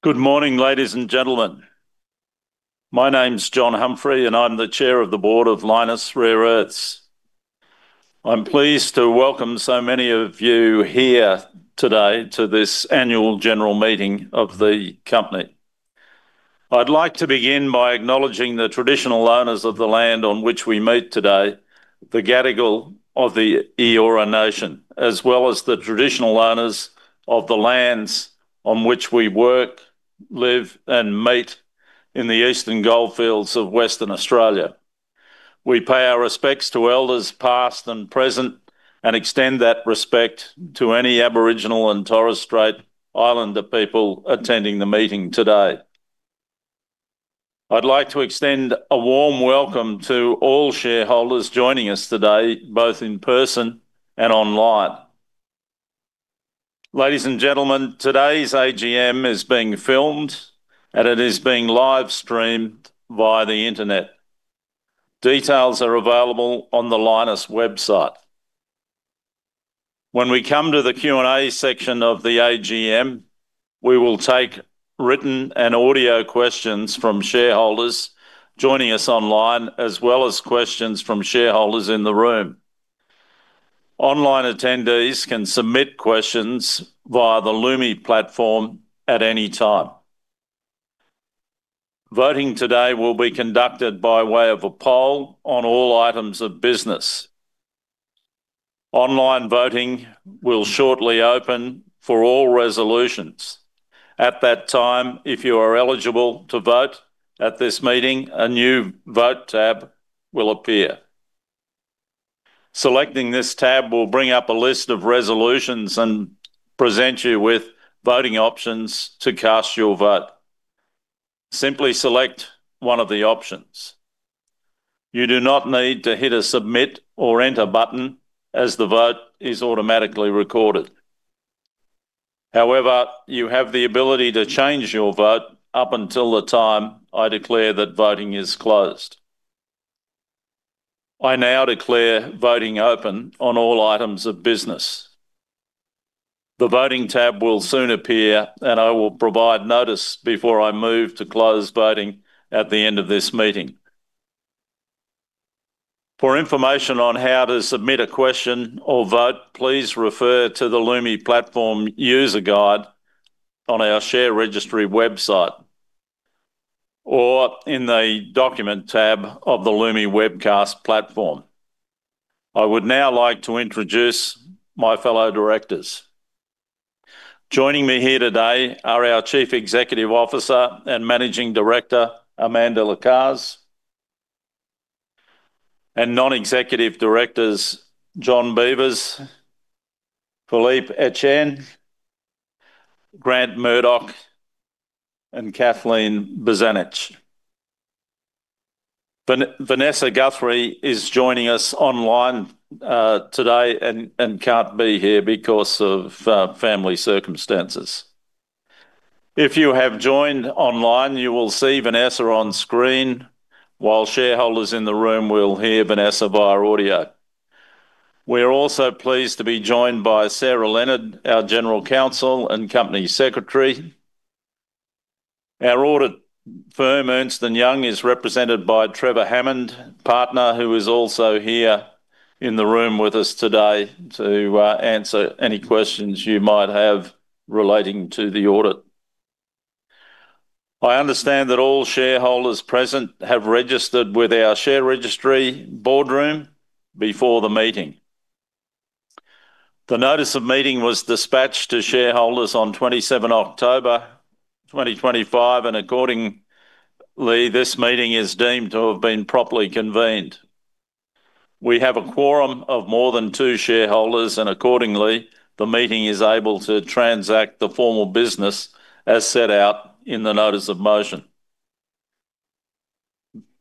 Good morning, ladies and gentlemen. My name's John Humphrey, and I'm the Chair of the Board of Lynas Rare Earths. I'm pleased to welcome so many of you here today to this annual general meeting of the company. I'd like to begin by acknowledging the traditional owners of the land on which we meet today, the Gadigal of the Eora Nation, as well as the traditional owners of the lands on which we work, live, and meet in the eastern goldfields of Western Australia. We pay our respects to elders past and present, and extend that respect to any Aboriginal and Torres Strait Islander people attending the meeting today. I'd like to extend a warm welcome to all shareholders joining us today, both in person and online. Ladies and gentlemen, today's AGM is being filmed, and it is being live-streamed via the internet. Details are available on the Lynas website. When we come to the Q&A section of the AGM, we will take written and audio questions from shareholders joining us online, as well as questions from shareholders in the room. Online attendees can submit questions via the Lumi platform at any time. Voting today will be conducted by way of a poll on all items of business. Online voting will shortly open for all resolutions. At that time, if you are eligible to vote at this meeting, a new vote tab will appear. Selecting this tab will bring up a list of resolutions and present you with voting options to cast your vote. Simply select one of the options. You do not need to hit a submit or enter button, as the vote is automatically recorded. However, you have the ability to change your vote up until the time I declare that voting is closed. I now declare voting open on all items of business. The voting tab will soon appear, and I will provide notice before I move to close voting at the end of this meeting. For information on how to submit a question or vote, please refer to the Lumi platform user guide on our shared registry website or in the document tab of the Lumi webcast platform. I would now like to introduce my fellow directors. Joining me here today are our Chief Executive Officer and Managing Director, Amanda Lacaze, and Non-Executive Directors, John Beevers, Philippe Etienne, Grant Murdoch, and Kathleen Bozanic. Vanessa Guthrie is joining us online today and can't be here because of family circumstances. If you have joined online, you will see Vanessa on screen, while shareholders in the room will hear Vanessa via audio. We are also pleased to be joined by Sarah Leonard, our General Counsel and Company Secretary. Our audit firm, Ernst & Young, is represented by Trevor Hammond, partner, who is also here in the room with us today to answer any questions you might have relating to the audit. I understand that all shareholders present have registered with our share registry Boardroom before the meeting. The notice of meeting was dispatched to shareholders on 27 October 2025, and accordingly, this meeting is deemed to have been properly convened. We have a quorum of more than two shareholders, and accordingly, the meeting is able to transact the formal business as set out in the notice of motion.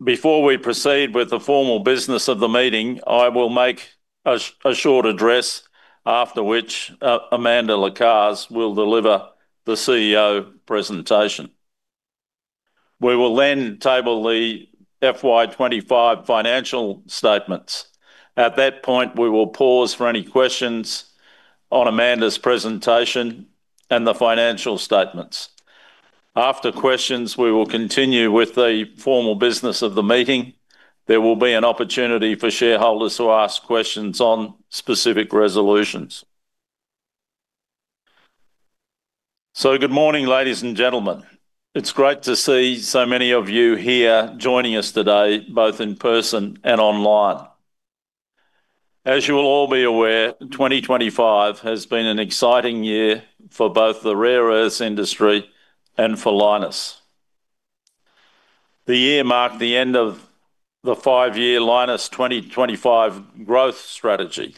Before we proceed with the formal business of the meeting, I will make a short address, after which Amanda Lacaze will deliver the CEO presentation. We will then table the FY 2025 financial statements. At that point, we will pause for any questions on Amanda's presentation and the financial statements. After questions, we will continue with the formal business of the meeting. There will be an opportunity for shareholders to ask questions on specific resolutions. Good morning, ladies and gentlemen. It's great to see so many of you here joining us today, both in person and online. As you will all be aware, 2025 has been an exciting year for both the rare earths industry and for Lynas. The year marked the end of the five-year Lynas 2025 growth strategy.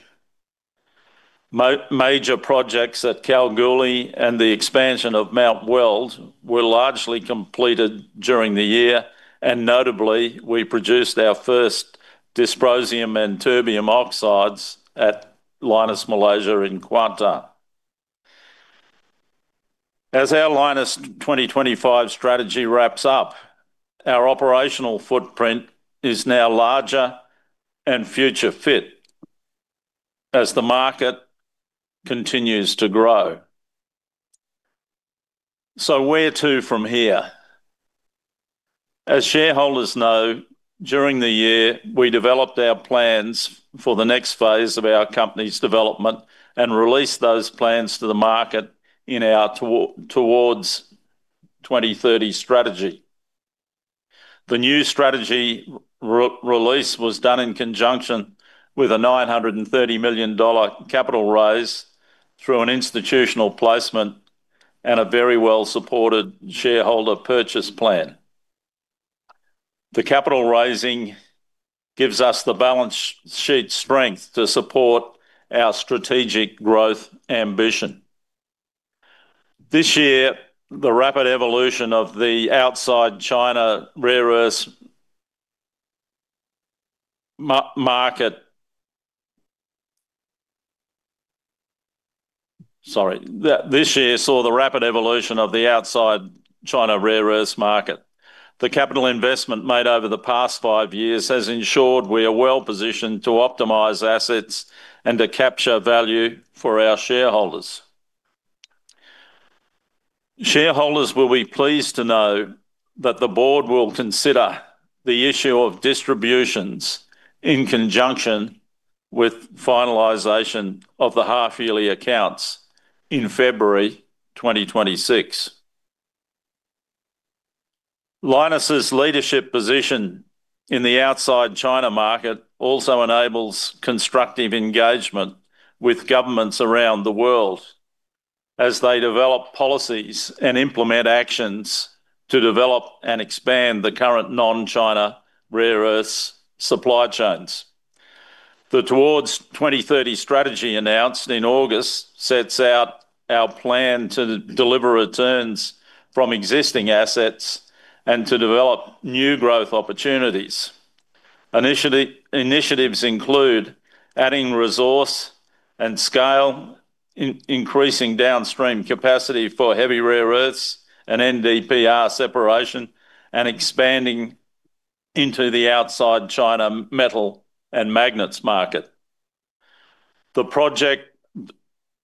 Major projects at Kalgoorlie and the expansion of Mt Weld were largely completed during the year, and notably, we produced our first dysprosium and terbium oxides at Lynas Malaysia in Kuantan. As our Lynas 2025 strategy wraps up, our operational footprint is now larger and future-fit as the market continues to grow. Where to from here? As shareholders know, during the year, we developed our plans for the next phase of our company's development and released those plans to the market in our Towards 2030 strategy. The new strategy release was done in conjunction with an 930 million dollar capital raise through an institutional placement and a very well-supported shareholder purchase plan. The capital raising gives us the balance sheet strength to support our strategic growth ambition. This year saw the rapid evolution of the outside China rare earths market. The capital investment made over the past five years has ensured we are well positioned to optimize assets and to capture value for our shareholders. Shareholders will be pleased to know that the board will consider the issue of distributions in conjunction with finalization of the half-yearly accounts in February 2026. Lynas's leadership position in the outside China market also enables constructive engagement with governments around the world as they develop policies and implement actions to develop and expand the current non-China rare earths supply chains. The Towards 2030 strategy announced in August sets out our plan to deliver returns from existing assets and to develop new growth opportunities. Initiatives include adding resource and scale, increasing downstream capacity for heavy rare earths and NdPr separation, and expanding into the outside China metal and magnets market. The project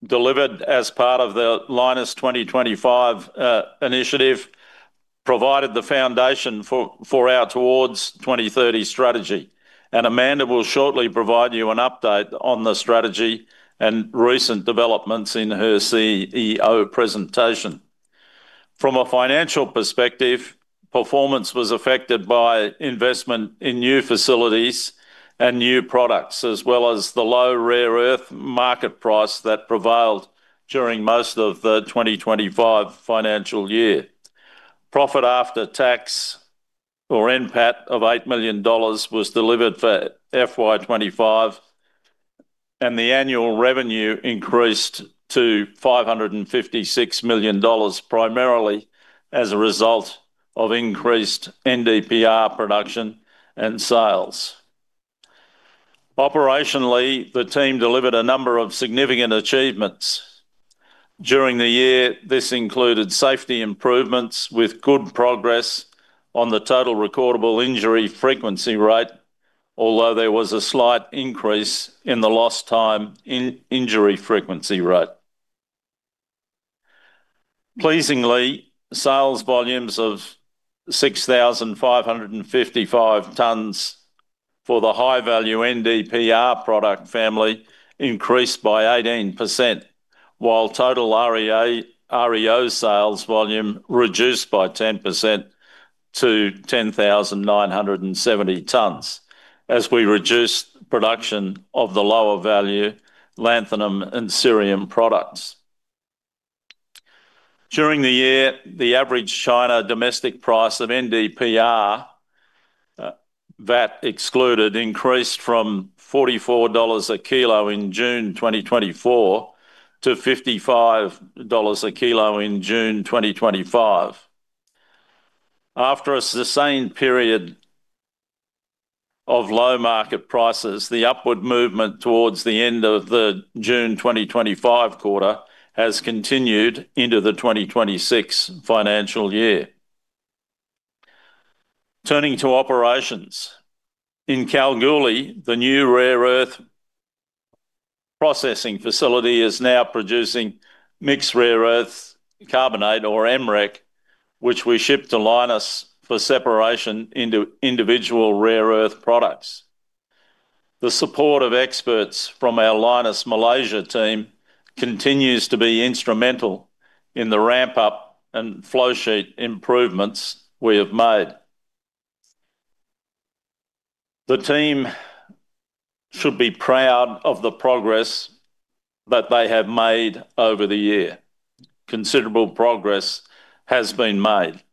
delivered as part of the Lynas 2025 initiative provided the foundation for our Towards 2030 strategy, and Amanda will shortly provide you an update on the strategy and recent developments in her CEO presentation. From a financial perspective, performance was affected by investment in new facilities and new products, as well as the low rare earth market price that prevailed during most of the 2025 financial year. Profit after tax, or NPAT, of 8 million dollars was delivered for FY 2025, and the annual revenue increased to 556 million dollars, primarily as a result of increased NdPr production and sales. Operationally, the team delivered a number of significant achievements. During the year, this included safety improvements with good progress on the total recordable injury frequency rate, although there was a slight increase in the lost time injury frequency rate. Pleasingly, sales volumes of 6,555 tons for the high-value NdPr product family increased by 18%, while total REO sales volume reduced by 10% to 10,970 tons, as we reduced production of the lower value lanthanum and cerium products. During the year, the average China domestic price of NdPr, VAT excluded, increased from 44 dollars a kilo in June 2024 to 55 dollars a kilo in June 2025. After a sustained period of low market prices, the upward movement towards the end of the June 2025 quarter has continued into the 2026 financial year. Turning to operations, in Kalgoorlie, the new rare earth processing facility is now producing mixed rare earth carbonate, or MREC, which we ship to Lynas for separation into individual rare earth products. The support of experts from our Lynas Malaysia team continues to be instrumental in the ramp-up and flowsheet improvements we have made. The team should be proud of the progress that they have made over the year. Considerable progress has been made.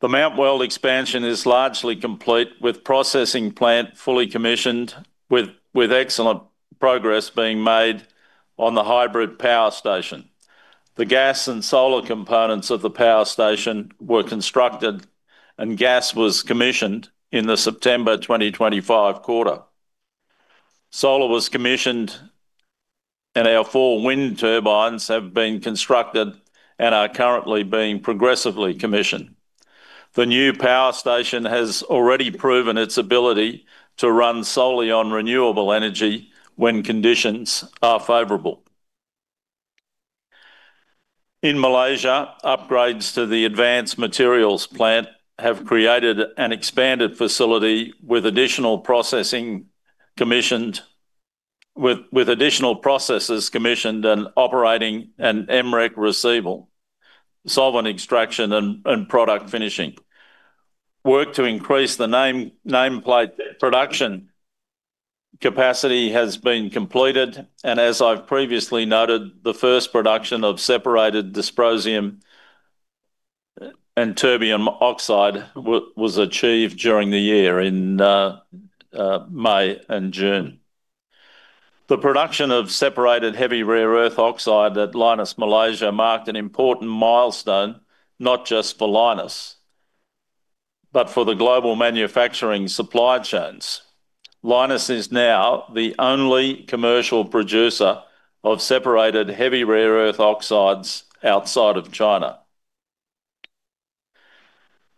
The Mt Weld expansion is largely complete, with the processing plant fully commissioned, with excellent progress being made on the hybrid power station. The gas and solar components of the power station were constructed, and gas was commissioned in the September 2025 quarter. Solar was commissioned, and our four wind turbines have been constructed and are currently being progressively commissioned. The new power station has already proven its ability to run solely on renewable energy when conditions are favorable. In Malaysia, upgrades to the Advanced Materials Plant have created an expanded facility with additional processors commissioned and operating an MREC receivable, solvent extraction, and product finishing. Work to increase the nameplate production capacity has been completed, and as I've previously noted, the first production of separated dysprosium and terbium oxide was achieved during the year in May and June. The production of separated heavy rare earth oxide at Lynas Malaysia marked an important milestone not just for Lynas, but for the global manufacturing supply chains. Lynas is now the only commercial producer of separated heavy rare earth oxides outside of China.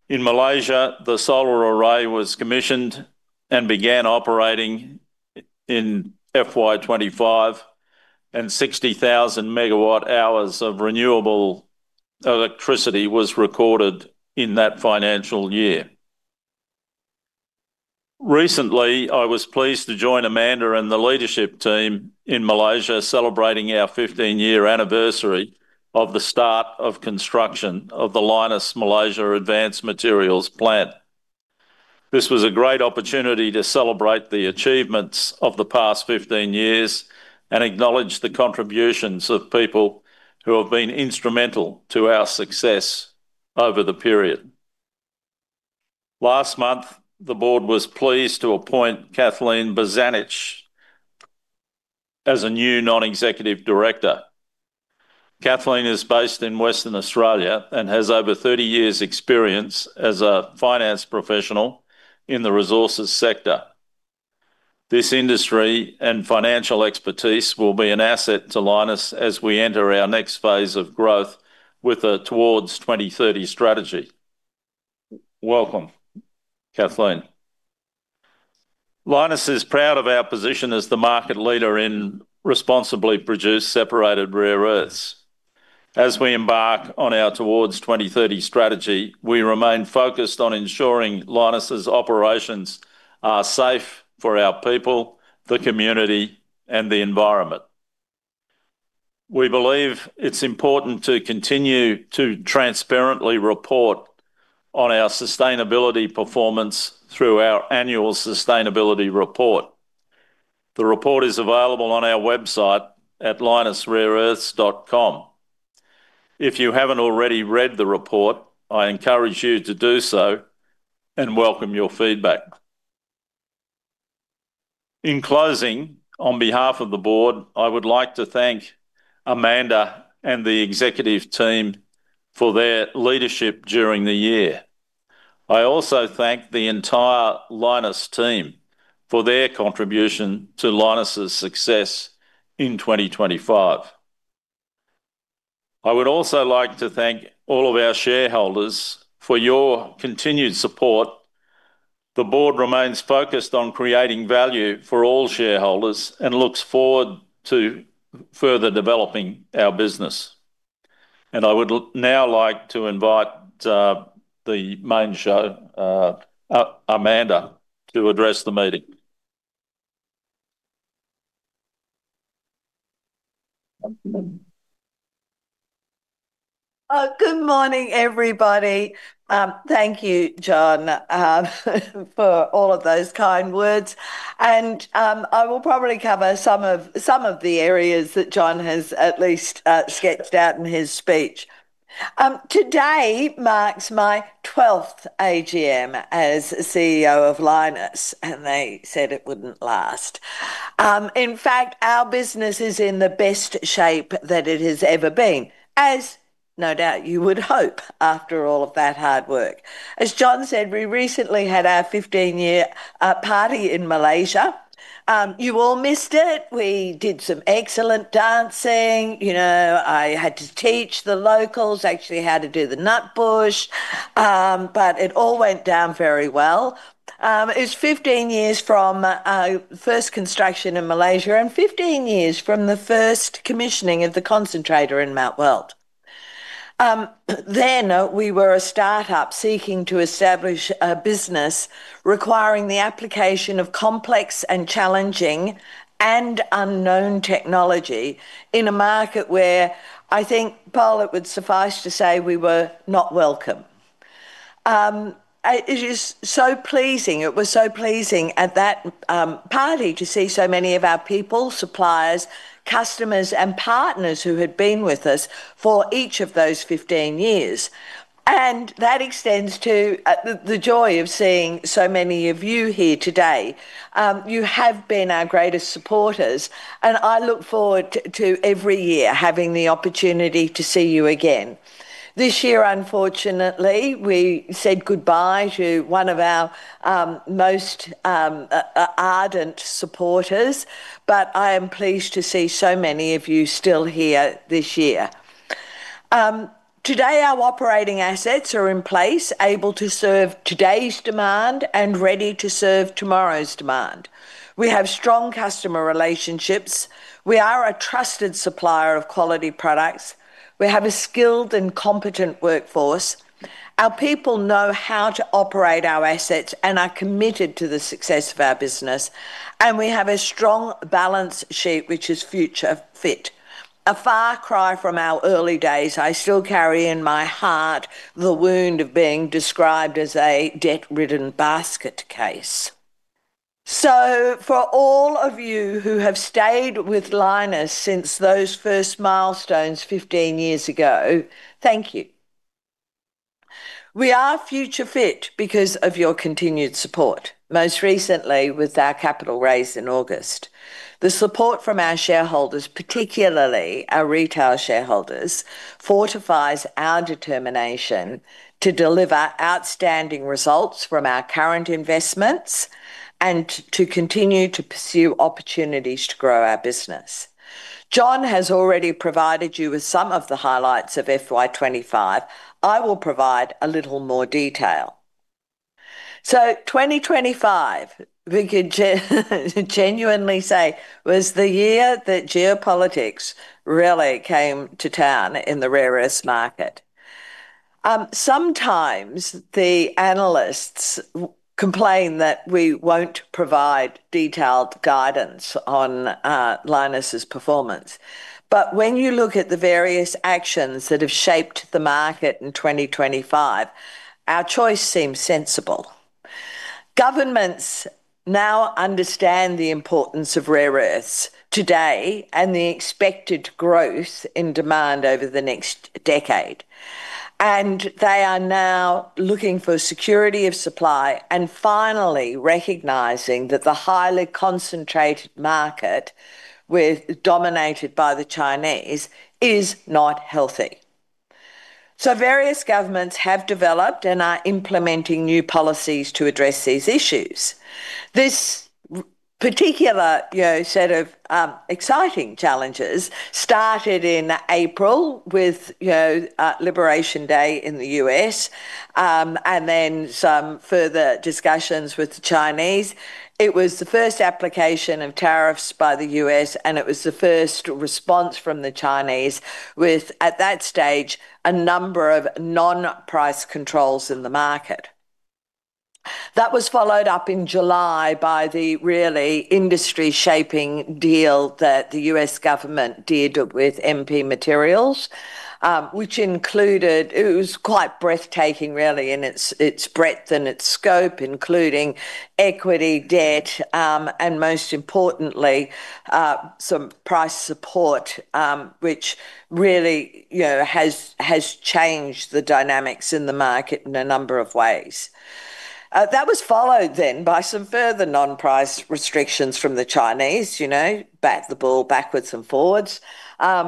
In Malaysia, the solar array was commissioned and began operating in FY 2025, and 60,000 MW hours of renewable electricity was recorded in that financial year. Recently, I was pleased to join Amanda and the leadership team in Malaysia celebrating our 15-year anniversary of the start of construction of the Lynas Malaysia Advanced Materials Plant. This was a great opportunity to celebrate the achievements of the past 15 years and acknowledge the contributions of people who have been instrumental to our success over the period. Last month, the board was pleased to appoint Kathleen Conlon as a new non-executive director. Kathleen is based in Western Australia and has over 30 years' experience as a finance professional in the resources sector. This industry and financial expertise will be an asset to Lynas as we enter our next phase of growth with the Towards 2030 strategy. Welcome, Kathleen. Lynas is proud of our position as the market leader in responsibly produced separated rare earths. As we embark on our Towards 2030 strategy, we remain focused on ensuring Lynas's operations are safe for our people, the community, and the environment. We believe it's important to continue to transparently report on our sustainability performance through our annual sustainability report. The report is available on our website at lynasrareearths.com. If you haven't already read the report, I encourage you to do so and welcome your feedback. In closing, on behalf of the board, I would like to thank Amanda and the executive team for their leadership during the year. I also thank the entire Lynas team for their contribution to Lynas's success in 2025. I would also like to thank all of our shareholders for your continued support. The board remains focused on creating value for all shareholders and looks forward to further developing our business. I would now like to invite the main show, Amanda, to address the meeting. Good morning, everybody. Thank you, John, for all of those kind words. I will probably cover some of the areas that John has at least sketched out in his speech. Today marks my 12th AGM as CEO of Lynas, and they said it wouldn't last. In fact, our business is in the best shape that it has ever been, as no doubt you would hope after all of that hard work. As John said, we recently had our 15-year party in Malaysia. You all missed it. We did some excellent dancing. You know, I had to teach the locals actually how to do the nut bush, but it all went down very well. It is 15 years from the first construction in Malaysia and 15 years from the first commissioning of the concentrator in Mt Weld. Then we were a startup seeking to establish a business requiring the application of complex and challenging and unknown technology in a market where I think, Paul, it would suffice to say we were not welcome. It is so pleasing. It was so pleasing at that party to see so many of our people, suppliers, customers, and partners who had been with us for each of those 15 years. That extends to the joy of seeing so many of you here today. You have been our greatest supporters, and I look forward to every year having the opportunity to see you again. This year, unfortunately, we said goodbye to one of our most ardent supporters, but I am pleased to see so many of you still here this year. Today, our operating assets are in place, able to serve today's demand and ready to serve tomorrow's demand. We have strong customer relationships. We are a trusted supplier of quality products. We have a skilled and competent workforce. Our people know how to operate our assets and are committed to the success of our business. We have a strong balance sheet, which is future fit. A far cry from our early days, I still carry in my heart the wound of being described as a debt-ridden basket case. For all of you who have stayed with Lynas since those first milestones 15 years ago, thank you. We are future fit because of your continued support, most recently with our capital raise in August. The support from our shareholders, particularly our retail shareholders, fortifies our determination to deliver outstanding results from our current investments and to continue to pursue opportunities to grow our business. John has already provided you with some of the highlights of FY 2025. I will provide a little more detail. In 2025, we could genuinely say, was the year that geopolitics really came to town in the rare earths market. Sometimes the analysts complain that we will not provide detailed guidance on Lynas's performance. When you look at the various actions that have shaped the market in 2025, our choice seems sensible. Governments now understand the importance of rare earths today and the expected growth in demand over the next decade. They are now looking for security of supply and finally recognizing that the highly concentrated market, dominated by the Chinese, is not healthy. Various governments have developed and are implementing new policies to address these issues. This particular set of exciting challenges started in April with Liberation Day in the U.S. and then some further discussions with the Chinese. It was the first application of tariffs by the U.S., and it was the first response from the Chinese, with, at that stage, a number of non-price controls in the market. That was followed up in July by the really industry-shaping deal that the U.S. government did with MP Materials, which included, it was quite breathtaking, really, in its breadth and its scope, including equity, debt, and most importantly, some price support, which really has changed the dynamics in the market in a number of ways. That was followed then by some further non-price restrictions from the Chinese, you know, bat the ball backwards and forwards,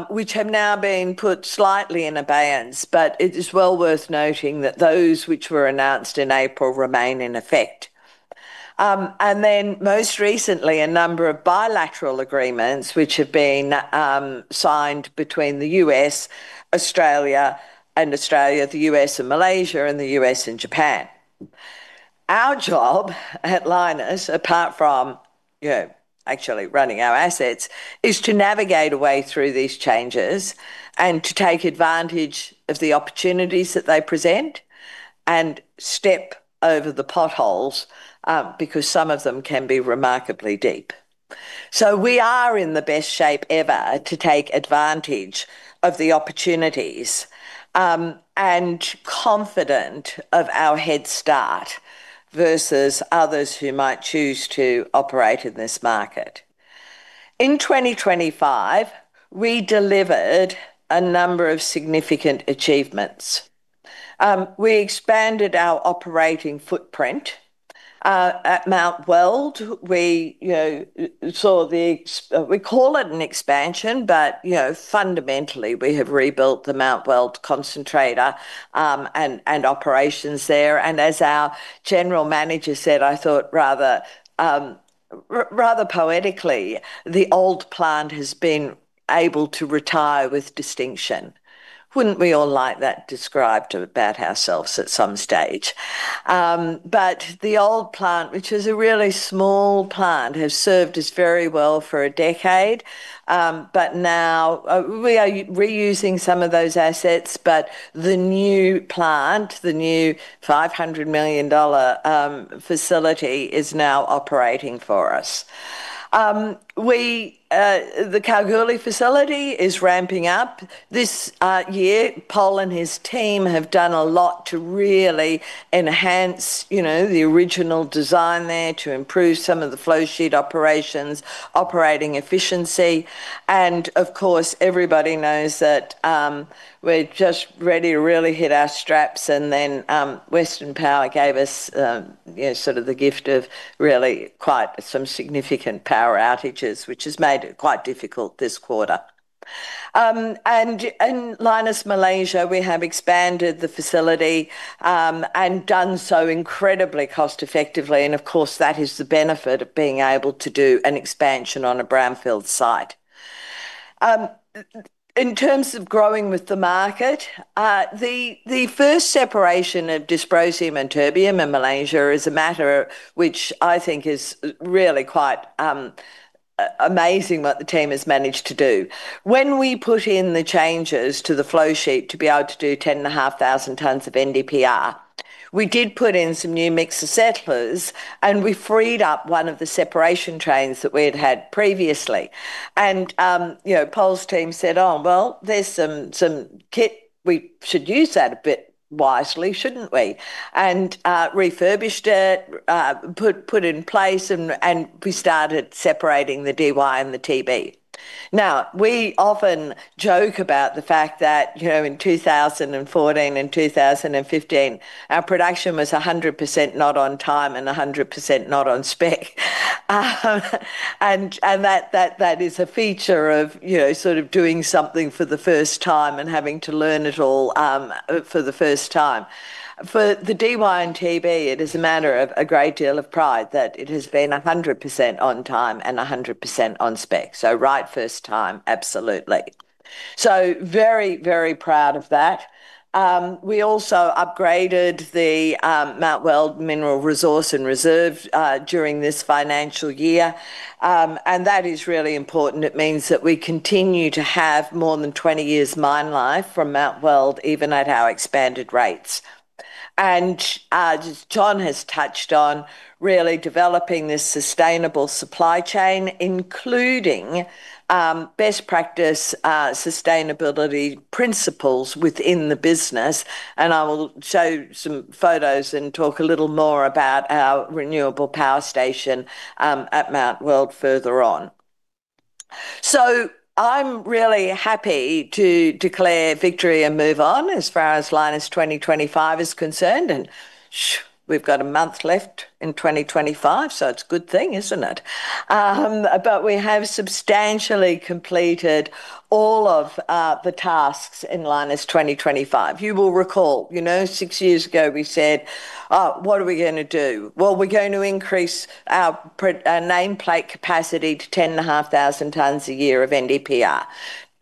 which have now been put slightly in abeyance. It is well worth noting that those which were announced in April remain in effect. Most recently, a number of bilateral agreements which have been signed between the U.S., Australia, and Australia, the U.S. and Malaysia, and the U.S. and Japan. Our job at Lynas, apart from actually running our assets, is to navigate away through these changes and to take advantage of the opportunities that they present and step over the potholes because some of them can be remarkably deep. We are in the best shape ever to take advantage of the opportunities and confident of our head start versus others who might choose to operate in this market. In 2025, we delivered a number of significant achievements. We expanded our operating footprint at Mt Weld. We call it an expansion, but fundamentally, we have rebuilt the Mt Weld concentrator and operations there. As our general manager said, I thought rather poetically, the old plant has been able to retire with distinction. Wouldn't we all like that described about ourselves at some stage? The old plant, which is a really small plant, has served us very well for a decade. Now we are reusing some of those assets, but the new plant, the new 500 million dollar facility, is now operating for us. The Kalgoorlie facility is ramping up this year. Paul and his team have done a lot to really enhance the original design there to improve some of the flowsheet operations, operating efficiency. Of course, everybody knows that we're just ready to really hit our straps. Then Western Power gave us sort of the gift of really quite some significant power outages, which has made it quite difficult this quarter. In Lynas Malaysia, we have expanded the facility and done so incredibly cost-effectively. That is the benefit of being able to do an expansion on a brownfield site. In terms of growing with the market, the first separation of dysprosium and terbium in Malaysia is a matter which I think is really quite amazing what the team has managed to do. When we put in the changes to the flowsheet to be able to do 10,500 tons of NdPr, we did put in some new mixed settlers, and we freed up one of the separation trains that we had had previously. Paul's team said, "Oh, well, there's some kit. We should use that a bit wisely, shouldn't we?" and refurbished it, put in place, and we started separating the Dy and the Tb. We often joke about the fact that in 2014 and 2015, our production was 100% not on time and 100% not on spec. That is a feature of sort of doing something for the first time and having to learn it all for the first time. For the Dy and Tb, it is a matter of a great deal of pride that it has been 100% on time and 100% on spec. Right first time, absolutely. Very, very proud of that. We also upgraded the Mt Weld mineral resource and reserve during this financial year. That is really important. It means that we continue to have more than 20 years' mine life from Mt Weld, even at our expanded rates. As John has touched on, really developing this sustainable supply chain, including best practice sustainability principles within the business. I will show some photos and talk a little more about our renewable power station at Mt Weld further on. I am really happy to declare victory and move on as far as Lynas 2025 is concerned. We have got a month left in 2025, so it is a good thing, is it not? We have substantially completed all of the tasks in Lynas 2025. You will recall, six years ago, we said, "Oh, what are we going to do?" We are going to increase our nameplate capacity to 10,500 tons a year of NdPr.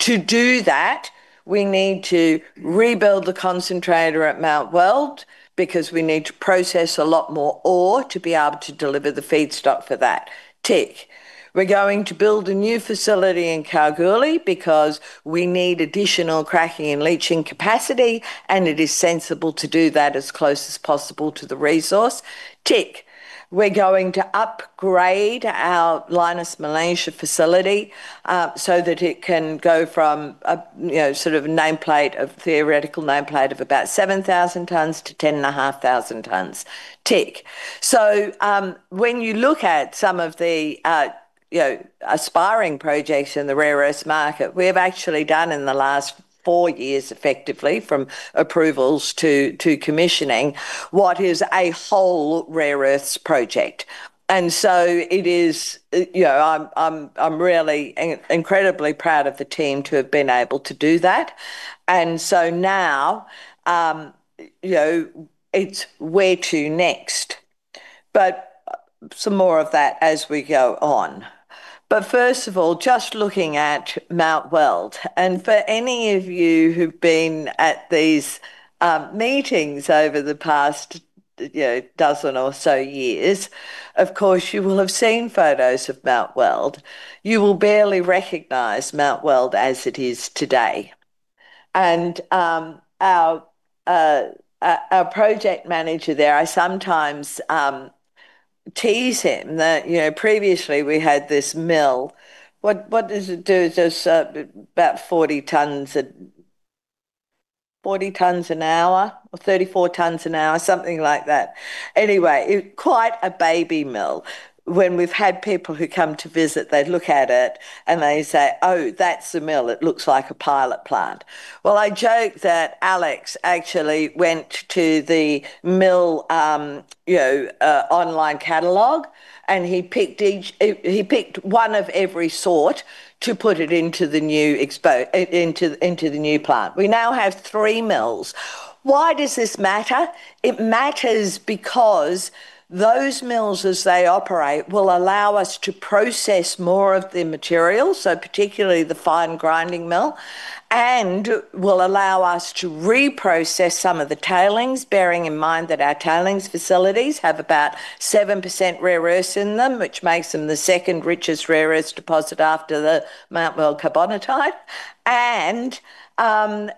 To do that, we need to rebuild the concentrator at Mt Weld because we need to process a lot more ore to be able to deliver the feedstock for that. Tick. We're going to build a new facility in Kalgoorlie because we need additional cracking and leaching capacity, and it is sensible to do that as close as possible to the resource. Tick. We're going to upgrade our Lynas Malaysia facility so that it can go from a sort of nameplate, a theoretical nameplate of about 7,000 tons to 10,500 tons. Tick. When you look at some of the aspiring projects in the rare earths market, we have actually done in the last four years effectively from approvals to commissioning what is a whole rare earths project. I am really incredibly proud of the team to have been able to do that. Now it's where to next. Some more of that as we go on. First of all, just looking at Mt Weld. For any of you who've been at these meetings over the past dozen or so years, you will have seen photos of Mt Weld. You will barely recognize Mt Weld as it is today. Our project manager there, I sometimes tease him that previously we had this mill. What does it do? It does about 40 tons an hour or 34 tons an hour, something like that. Anyway, it's quite a baby mill. When we've had people who come to visit, they look at it and they say, "Oh, that's a mill. It looks like a pilot plant. I joke that Alex actually went to the mill online catalog, and he picked one of every sort to put it into the new plant. We now have three mills. Why does this matter? It matters because those mills, as they operate, will allow us to process more of the materials, particularly the fine grinding mill, and will allow us to reprocess some of the tailings, bearing in mind that our tailings facilities have about 7% rare earths in them, which makes them the second richest rare earths deposit after the Mt Weld carbonatite.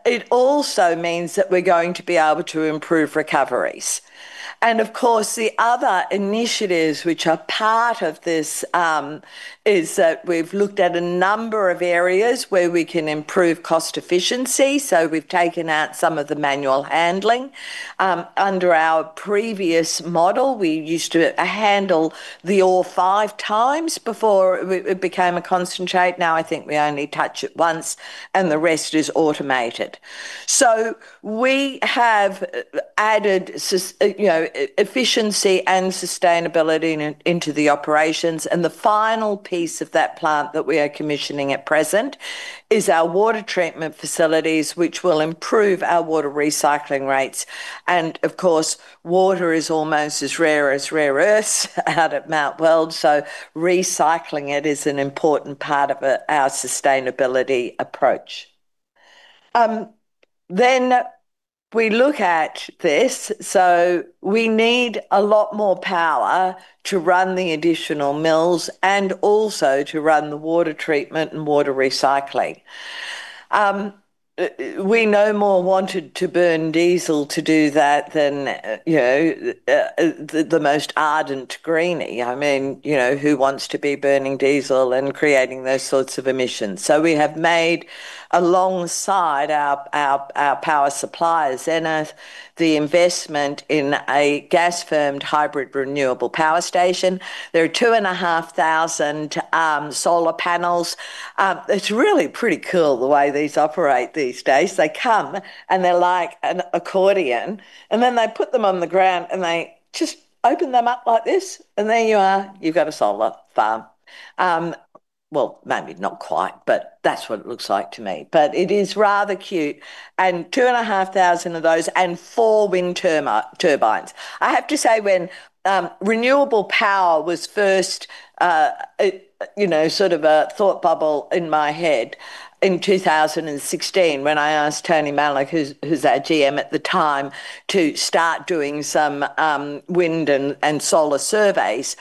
It also means that we are going to be able to improve recoveries. Of course, the other initiatives which are part of this are that we have looked at a number of areas where we can improve cost efficiency. We have taken out some of the manual handling. Under our previous model, we used to handle the ore five times before it became a concentrate. Now I think we only touch it once, and the rest is automated. We have added efficiency and sustainability into the operations. The final piece of that plant that we are commissioning at present is our water treatment facilities, which will improve our water recycling rates. Of course, water is almost as rare as rare earths out at Mt Weld. Recycling it is an important part of our sustainability approach. We need a lot more power to run the additional mills and also to run the water treatment and water recycling. We no more wanted to burn diesel to do that than the most ardent greenie. I mean, who wants to be burning diesel and creating those sorts of emissions? We have made alongside our power suppliers the investment in a gas-firmed hybrid renewable power station. There are 2,500 solar panels. It's really pretty cool the way these operate these days. They come and they're like an accordion, and then they put them on the ground and they just open them up like this, and there you are. You've got a solar farm. Maybe not quite, but that's what it looks like to me. It is rather cute. And 2,500 of those and four wind turbines. I have to say when renewable power was first sort of a thought bubble in my head in 2016, when I asked Tony Malik, who's our GM at the time, to start doing some wind and solar surveys,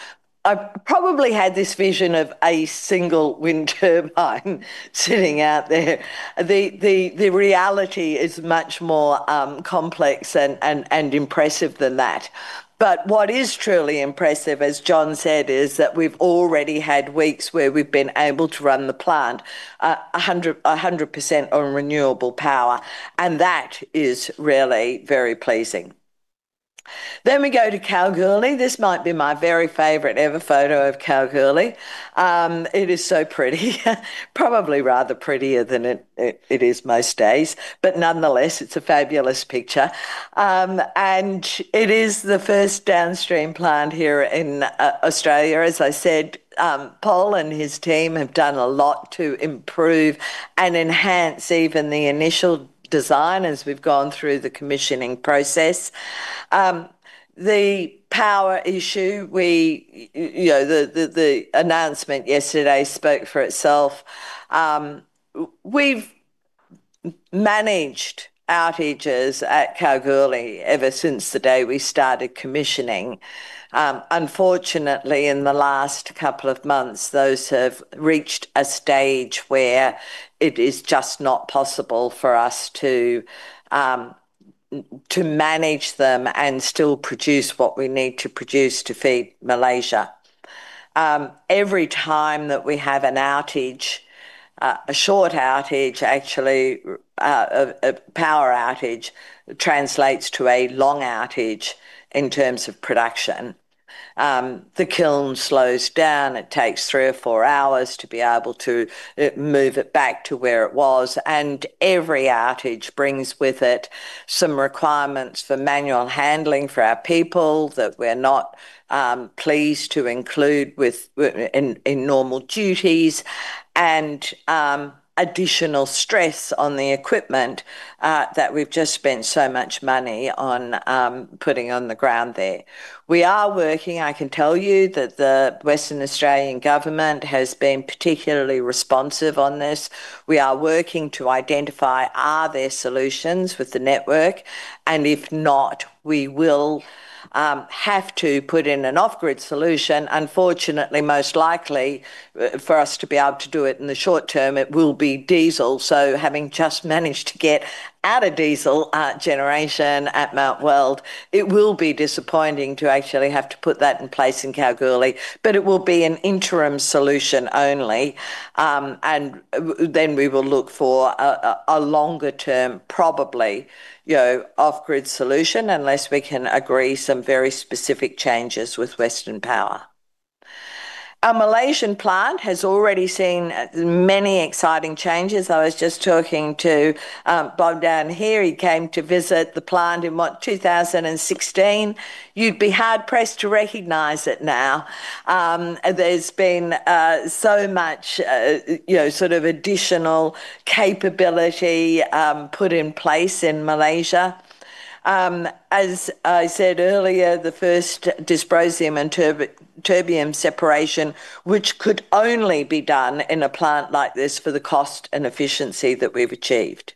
I probably had this vision of a single wind turbine sitting out there. The reality is much more complex and impressive than that. What is truly impressive, as John said, is that we've already had weeks where we've been able to run the plant 100% on renewable power. That is really very pleasing. We go to Kalgoorlie. This might be my very favorite ever photo of Kalgoorlie. It is so pretty. Probably rather prettier than it is most days. Nonetheless, it's a fabulous picture. It is the first downstream plant here in Australia. As I said, Paul and his team have done a lot to improve and enhance even the initial design as we've gone through the commissioning process. The power issue, the announcement yesterday spoke for itself. We've managed outages at Kalgoorlie ever since the day we started commissioning. Unfortunately, in the last couple of months, those have reached a stage where it is just not possible for us to manage them and still produce what we need to produce to feed Malaysia. Every time that we have an outage, a short outage, actually a power outage, translates to a long outage in terms of production. The kiln slows down. It takes three or four hours to be able to move it back to where it was. Every outage brings with it some requirements for manual handling for our people that we're not pleased to include in normal duties and additional stress on the equipment that we've just spent so much money on putting on the ground there. I can tell you that the Western Australian government has been particularly responsive on this. We are working to identify, are there solutions with the network? If not, we will have to put in an off-grid solution. Unfortunately, most likely for us to be able to do it in the short term, it will be diesel. Having just managed to get out of diesel generation at Mt Weld, it will be disappointing to actually have to put that in place in Kalgoorlie. It will be an interim solution only. We will look for a longer-term, probably off-grid solution unless we can agree some very specific changes with Western Power. Our Malaysian plant has already seen many exciting changes. I was just talking to [Bogdan] here. He came to visit the plant in, what, 2016? You'd be hard-pressed to recognize it now. There has been so much sort of additional capability put in place in Malaysia. As I said earlier, the first dysprosium and terbium separation, which could only be done in a plant like this for the cost and efficiency that we've achieved.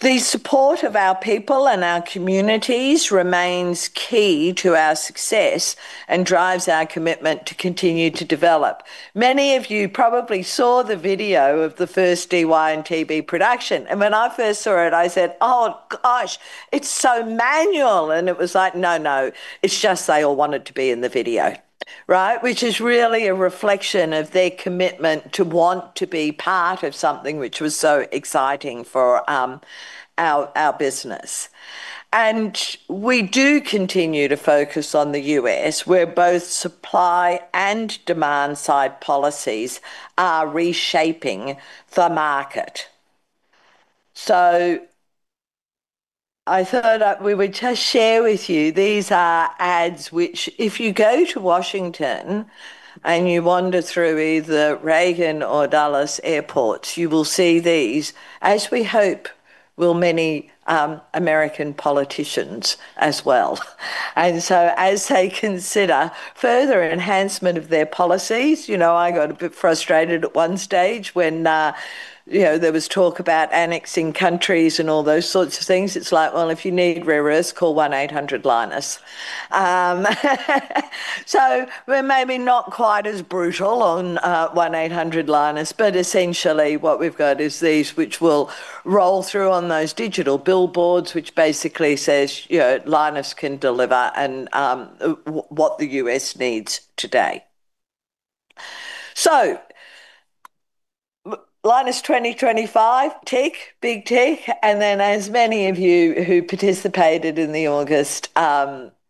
The support of our people and our communities remains key to our success and drives our commitment to continue to develop. Many of you probably saw the video of the first Dy and Tb production. When I first saw it, I said, "Oh, gosh, it's so manual." It was like, "No, no. It's just they all wanted to be in the video," right? Which is really a reflection of their commitment to want to be part of something which was so exciting for our business. We do continue to focus on the U.S., where both supply and demand side policies are reshaping the market. I thought we would just share with you these are ads which, if you go to Washington and you wander through either Reagan or Dulles Airports, you will see these, as we hope will many American politicians as well. As they consider further enhancement of their policies, I got a bit frustrated at one stage when there was talk about annexing countries and all those sorts of things. It's like, "If you need rare earths, call 1-800-Lynas." We're maybe not quite as brutal on 1-800-Lynas, but essentially what we've got is these which will roll through on those digital billboards which basically says Lynas can deliver and what the U.S. needs today. Lynas 2025, tick, big tick. As many of you who participated in the August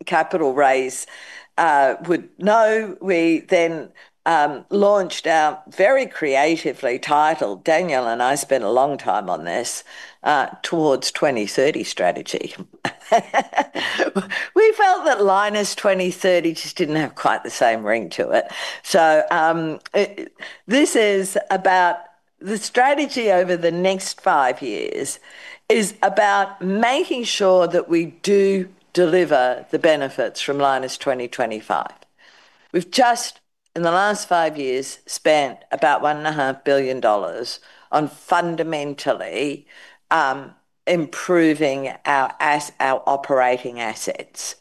capital raise would know, we then launched our very creatively titled, Daniel and I spent a long time on this, Towards 2030 Strategy. We felt that Lynas 2030 just did not have quite the same ring to it. This is about the strategy over the next five years, about making sure that we do deliver the benefits from Lynas 2025. In the last five years, we have spent about 1.5 billion dollars on fundamentally improving our operating assets.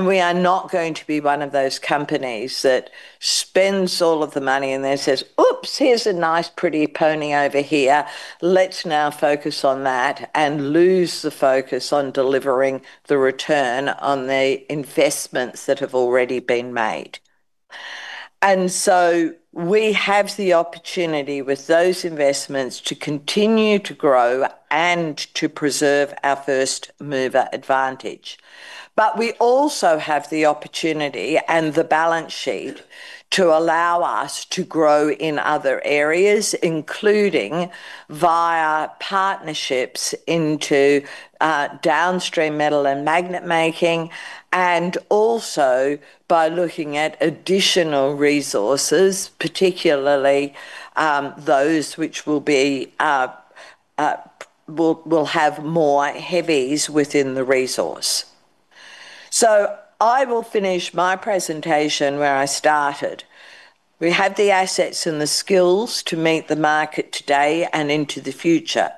We are not going to be one of those companies that spends all of the money and then says, "Oops, here is a nice pretty pony over here. Let's now focus on that and lose the focus on delivering the return on the investments that have already been made. We have the opportunity with those investments to continue to grow and to preserve our first mover advantage. We also have the opportunity and the balance sheet to allow us to grow in other areas, including via partnerships into downstream metal and magnet making, and also by looking at additional resources, particularly those which will have more heavies within the resource. I will finish my presentation where I started. We have the assets and the skills to meet the market today and into the future.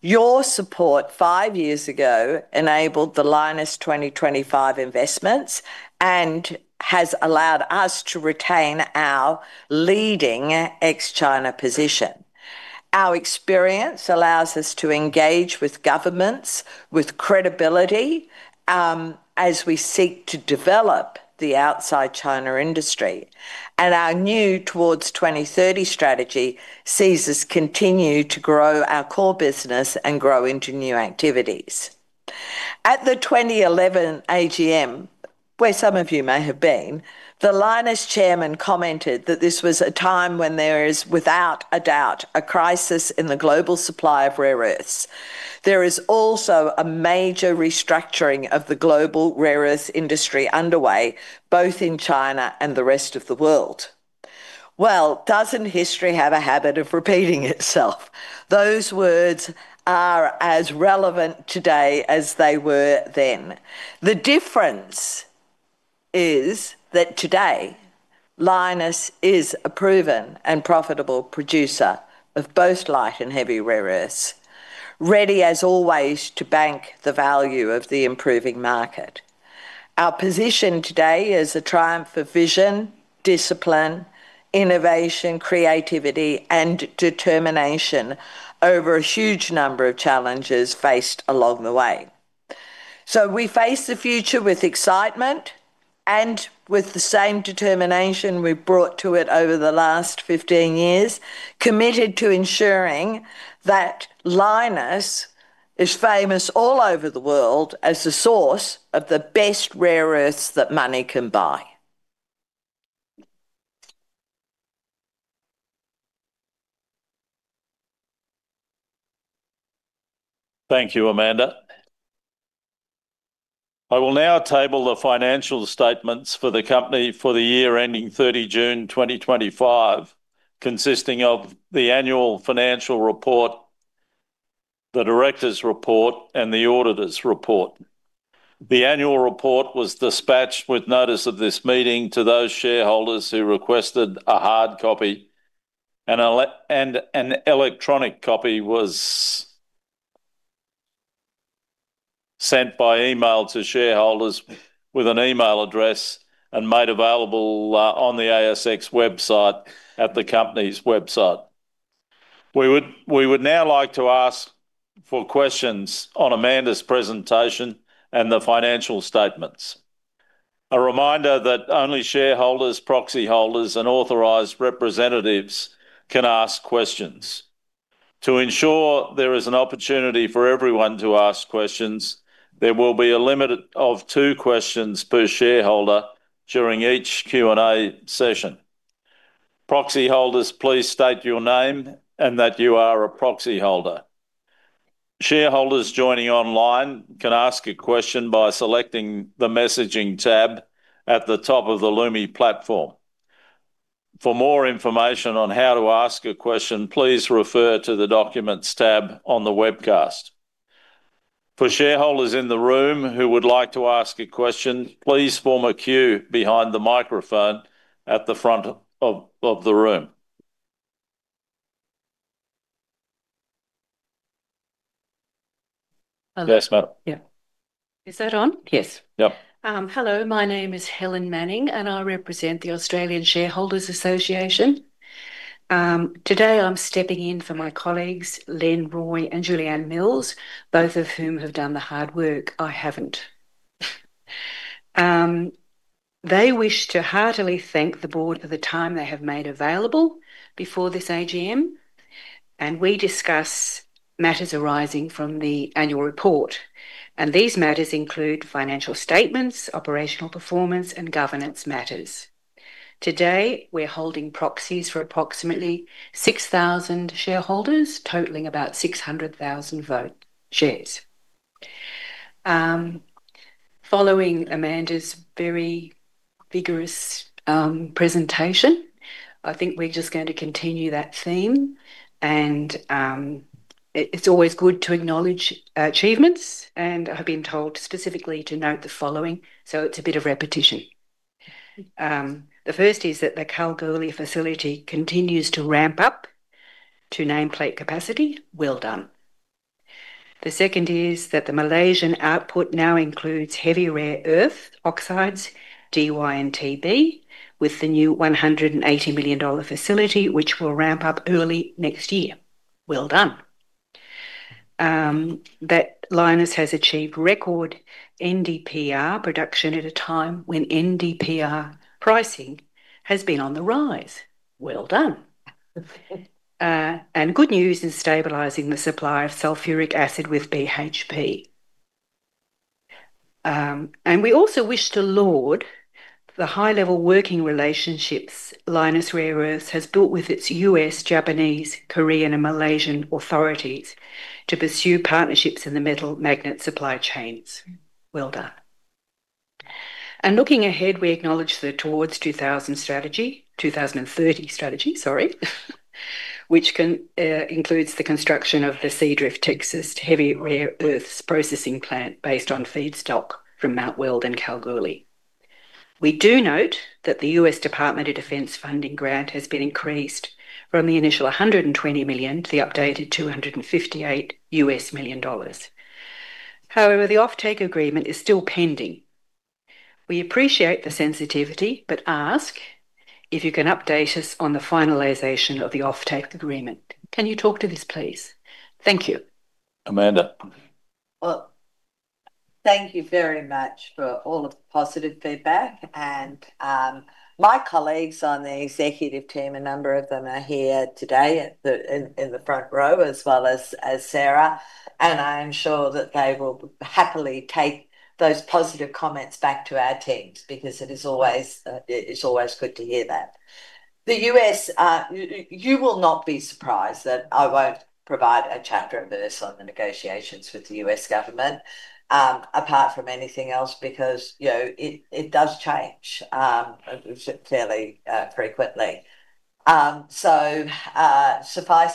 Your support five years ago enabled the Lynas 2025 investments and has allowed us to retain our leading ex-China position. Our experience allows us to engage with governments with credibility as we seek to develop the outside China industry. Our new Towards 2030 strategy sees us continue to grow our core business and grow into new activities. At the 2011 AGM, where some of you may have been, the Lynas chairman commented that this was a time when there is, without a doubt, a crisis in the global supply of rare earths. There is also a major restructuring of the global rare earths industry underway, both in China and the rest of the world. History has a habit of repeating itself. Those words are as relevant today as they were then. The difference is that today, Lynas is a proven and profitable producer of both light and heavy rare earths, ready as always to bank the value of the improving market. Our position today is a triumph of vision, discipline, innovation, creativity, and determination over a huge number of challenges faced along the way. We face the future with excitement and with the same determination we've brought to it over the last 15 years, committed to ensuring that Lynas is famous all over the world as the source of the best rare earths that money can buy. Thank you, Amanda. I will now table the financial statements for the company for the year ending 30 June 2025, consisting of the annual financial report, the director's report, and the auditor's report. The annual report was dispatched with notice of this meeting to those shareholders who requested a hard copy. An electronic copy was sent by email to shareholders with an email address and made available on the ASX website at the company's website. We would now like to ask for questions on Amanda's presentation and the financial statements. A reminder that only shareholders, proxy holders, and authorized representatives can ask questions. To ensure there is an opportunity for everyone to ask questions, there will be a limit of two questions per shareholder during each Q&A session. Proxy holders, please state your name and that you are a proxy holder. Shareholders joining online can ask a question by selecting the messaging tab at the top of the Lumi platform. For more information on how to ask a question, please refer to the documents tab on the webcast. For shareholders in the room who would like to ask a question, please form a queue behind the microphone at the front of the room. Yes, ma'am. Yeah. Is that on? Yes. Yep. Hello, my name is Helen Manning, and I represent the Australian Shareholders Association. Today, I'm stepping in for my colleagues, Len Roy and Julieanne Mills, both of whom have done the hard work I haven't. They wish to heartily thank the board for the time they have made available before this AGM, and we discuss matters arising from the annual report. These matters include financial statements, operational performance, and governance matters. Today, we're holding proxies for approximately 6,000 shareholders, totaling about 600,000 shares. Following Amanda's very vigorous presentation, I think we're just going to continue that theme. It's always good to acknowledge achievements, and I've been told specifically to note the following. It's a bit of repetition. The first is that the Kalgoorlie facility continues to ramp up to nameplate capacity. Well done. The second is that the Malaysian output now includes heavy rare earth oxides, Dy and Tb, with the new 180 million dollar facility, which will ramp up early next year. Well done. That Lynas has achieved record NdPr production at a time when NdPr pricing has been on the rise. Well done. Good news in stabilizing the supply of sulfuric acid with BHP. We also wish to laud the high-level working relationships Lynas Rare Earths has built with its U.S., Japanese, Korean, and Malaysian authorities to pursue partnerships in the metal magnet supply chains. Well done. Looking ahead, we acknowledge the Towards 2030 strategy, sorry, which includes the construction of the Seadrift, Texas Heavy Rare Earths Processing Plant based on feedstock from Mt Weld and Kalgoorlie. We do note that the U.S. Department of Defense funding grant has been increased from the initial 120 million to the updated 258 million dollars. However, the off-take agreement is still pending. We appreciate the sensitivity, but ask if you can update us on the finalization of the off-take agreement. Can you talk to this, please? Thank you. Amanda. Thank you very much for all of the positive feedback. My colleagues on the executive team, a number of them are here today in the front row, as well as Sarah. I ensure that they will happily take those positive comments back to our teams because it is always good to hear that. The U.S., you will not be surprised that I will not provide a chapter of this on the negotiations with the U.S. government, apart from anything else, because it does change fairly frequently. Suffice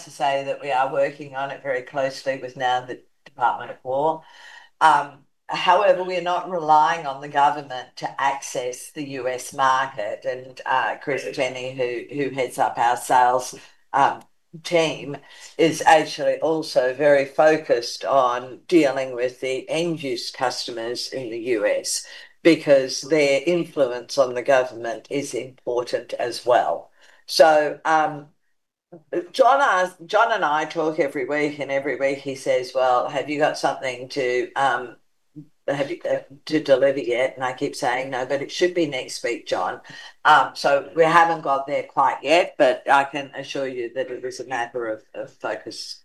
to say that we are working on it very closely with now the Department of War. However, we are not relying on the government to access the U.S. market. Chris Jenney, who heads up our sales team, is actually also very focused on dealing with the end-use customers in the U.S. because their influence on the government is important as well. John and I talk every week, and every week he says, "Well, have you got something to deliver yet?" I keep saying, "No, but it should be next week, John." We haven't got there quite yet, but I can assure you that it is a matter of focus.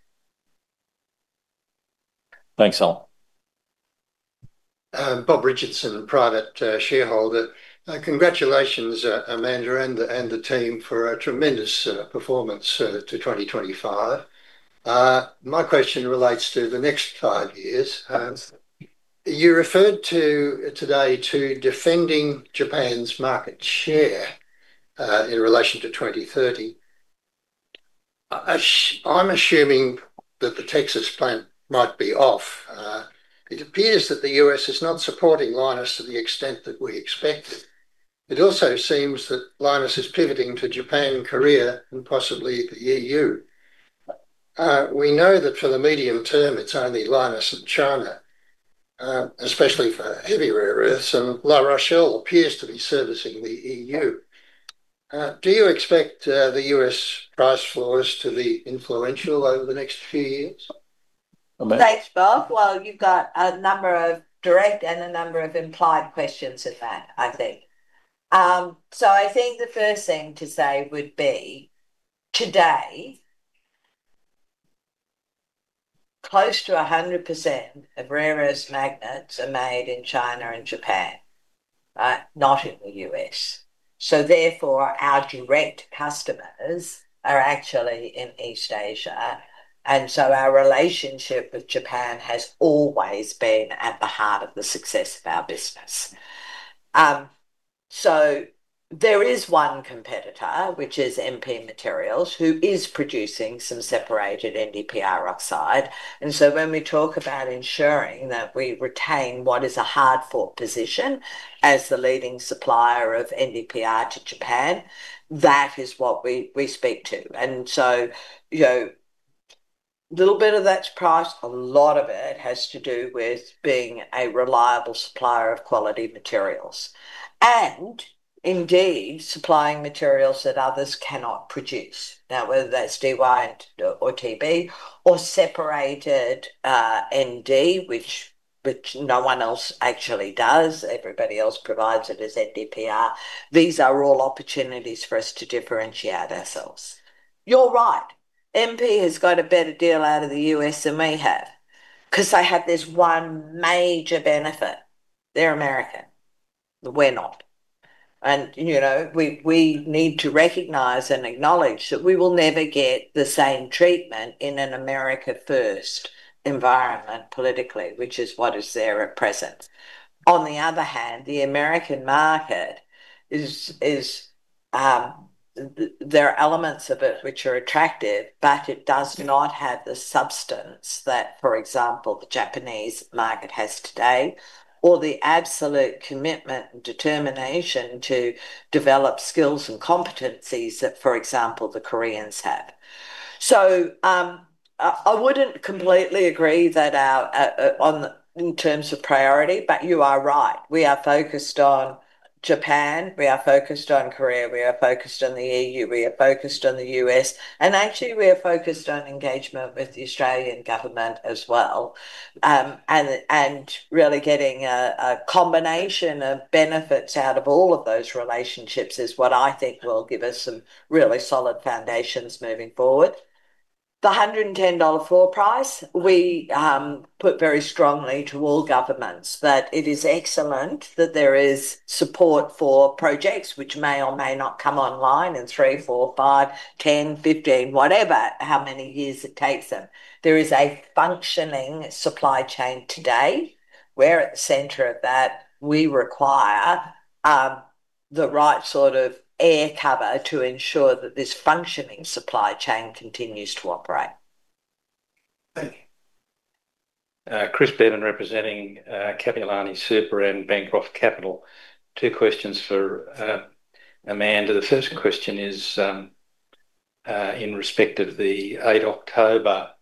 Thanks, Hel. Bob Richardson, private shareholder. Congratulations, Amanda and the team, for a tremendous performance to 2025. My question relates to the next five years. You referred today to defending Japan's market share in relation to 2030. I'm assuming that the Texas plant might be off. It appears that the U.S. is not supporting Lynas to the extent that we expected. It also seems that Lynas is pivoting to Japan, Korea, and possibly the EU. We know that for the medium term, it's only Lynas and China, especially for heavy rare earths, and La Rochelle appears to be servicing the EU. Do you expect the U.S. price floors to be influential over the next few years? Thanks, Bob. You have a number of direct and a number of implied questions in that, I think. I think the first thing to say would be today, close to 100% of rare earth magnets are made in China and Japan, not in the U.S.. Therefore, our direct customers are actually in East Asia. Our relationship with Japan has always been at the heart of the success of our business. There is one competitor, which is MP Materials, who is producing some separated NdPr oxide. When we talk about ensuring that we retain what is a hard-fought position as the leading supplier of NdPr to Japan, that is what we speak to. A little bit of that's priced. A lot of it has to do with being a reliable supplier of quality materials, and indeed, supplying materials that others cannot produce. Now, whether that's Dy or Tb or separated Nd, which no one else actually does, everybody else provides it as NdPr, these are all opportunities for us to differentiate ourselves. You're right. MP has got a better deal out of the U.S. than we have because they have this one major benefit. They're American. We're not. We need to recognize and acknowledge that we will never get the same treatment in an America-first environment politically, which is what is there at present. On the other hand, the American market, there are elements of it which are attractive, but it does not have the substance that, for example, the Japanese market has today, or the absolute commitment and determination to develop skills and competencies that, for example, the Koreans have. I would not completely agree in terms of priority, but you are right. We are focused on Japan. We are focused on Korea. We are focused on the EU. We are focused on the U.S.. Actually, we are focused on engagement with the Australian government as well. Really getting a combination of benefits out of all of those relationships is what I think will give us some really solid foundations moving forward. The 110 dollar floor price, we put very strongly to all governments that it is excellent that there is support for projects which may or may not come online in 3, 4, 5, 10, 15, whatever, how many years it takes them. There is a functioning supply chain today where at the center of that, we require the right sort of air cover to ensure that this functioning supply chain continues to operate. Thank you. [Chris Beavin] representing [Kathy Laney, Super] and Bancroft Capital. Two questions for Amanda. The first question is in respect of the 8 October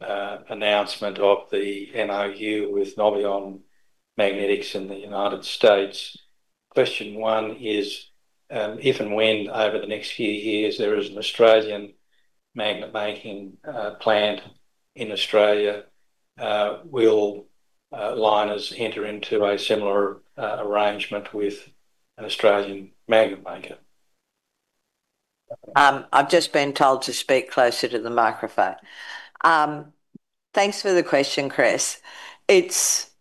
announcement of the MOU with Noveon Magnetics in the United States. Question one is, if and when over the next few years there is an Australian magnet-making plant in Australia, will Lynas enter into a similar arrangement with an Australian magnet maker? I've just been told to speak closer to the microphone. Thanks for the question, Chris.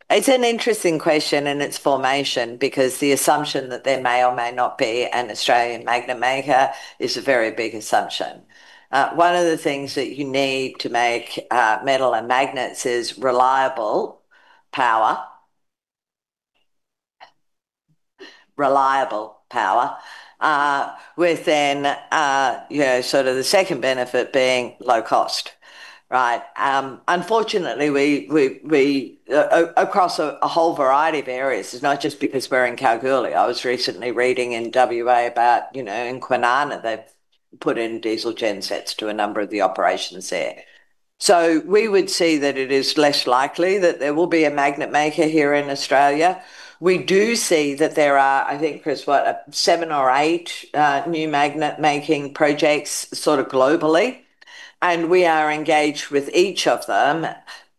It's an interesting question in its formation because the assumption that there may or may not be an Australian magnet maker is a very big assumption. One of the things that you need to make metal and magnets is reliable power, reliable power, with then sort of the second benefit being low cost. Right? Unfortunately, across a whole variety of areas, it's not just because we're in Kalgoorlie. I was recently reading in WA about in Kwinana, they've put in diesel gensets to a number of the operations there. We would see that it is less likely that there will be a magnet maker here in Australia. We do see that there are, I think, Chris, what, seven or eight new magnet-making projects sort of globally. We are engaged with each of them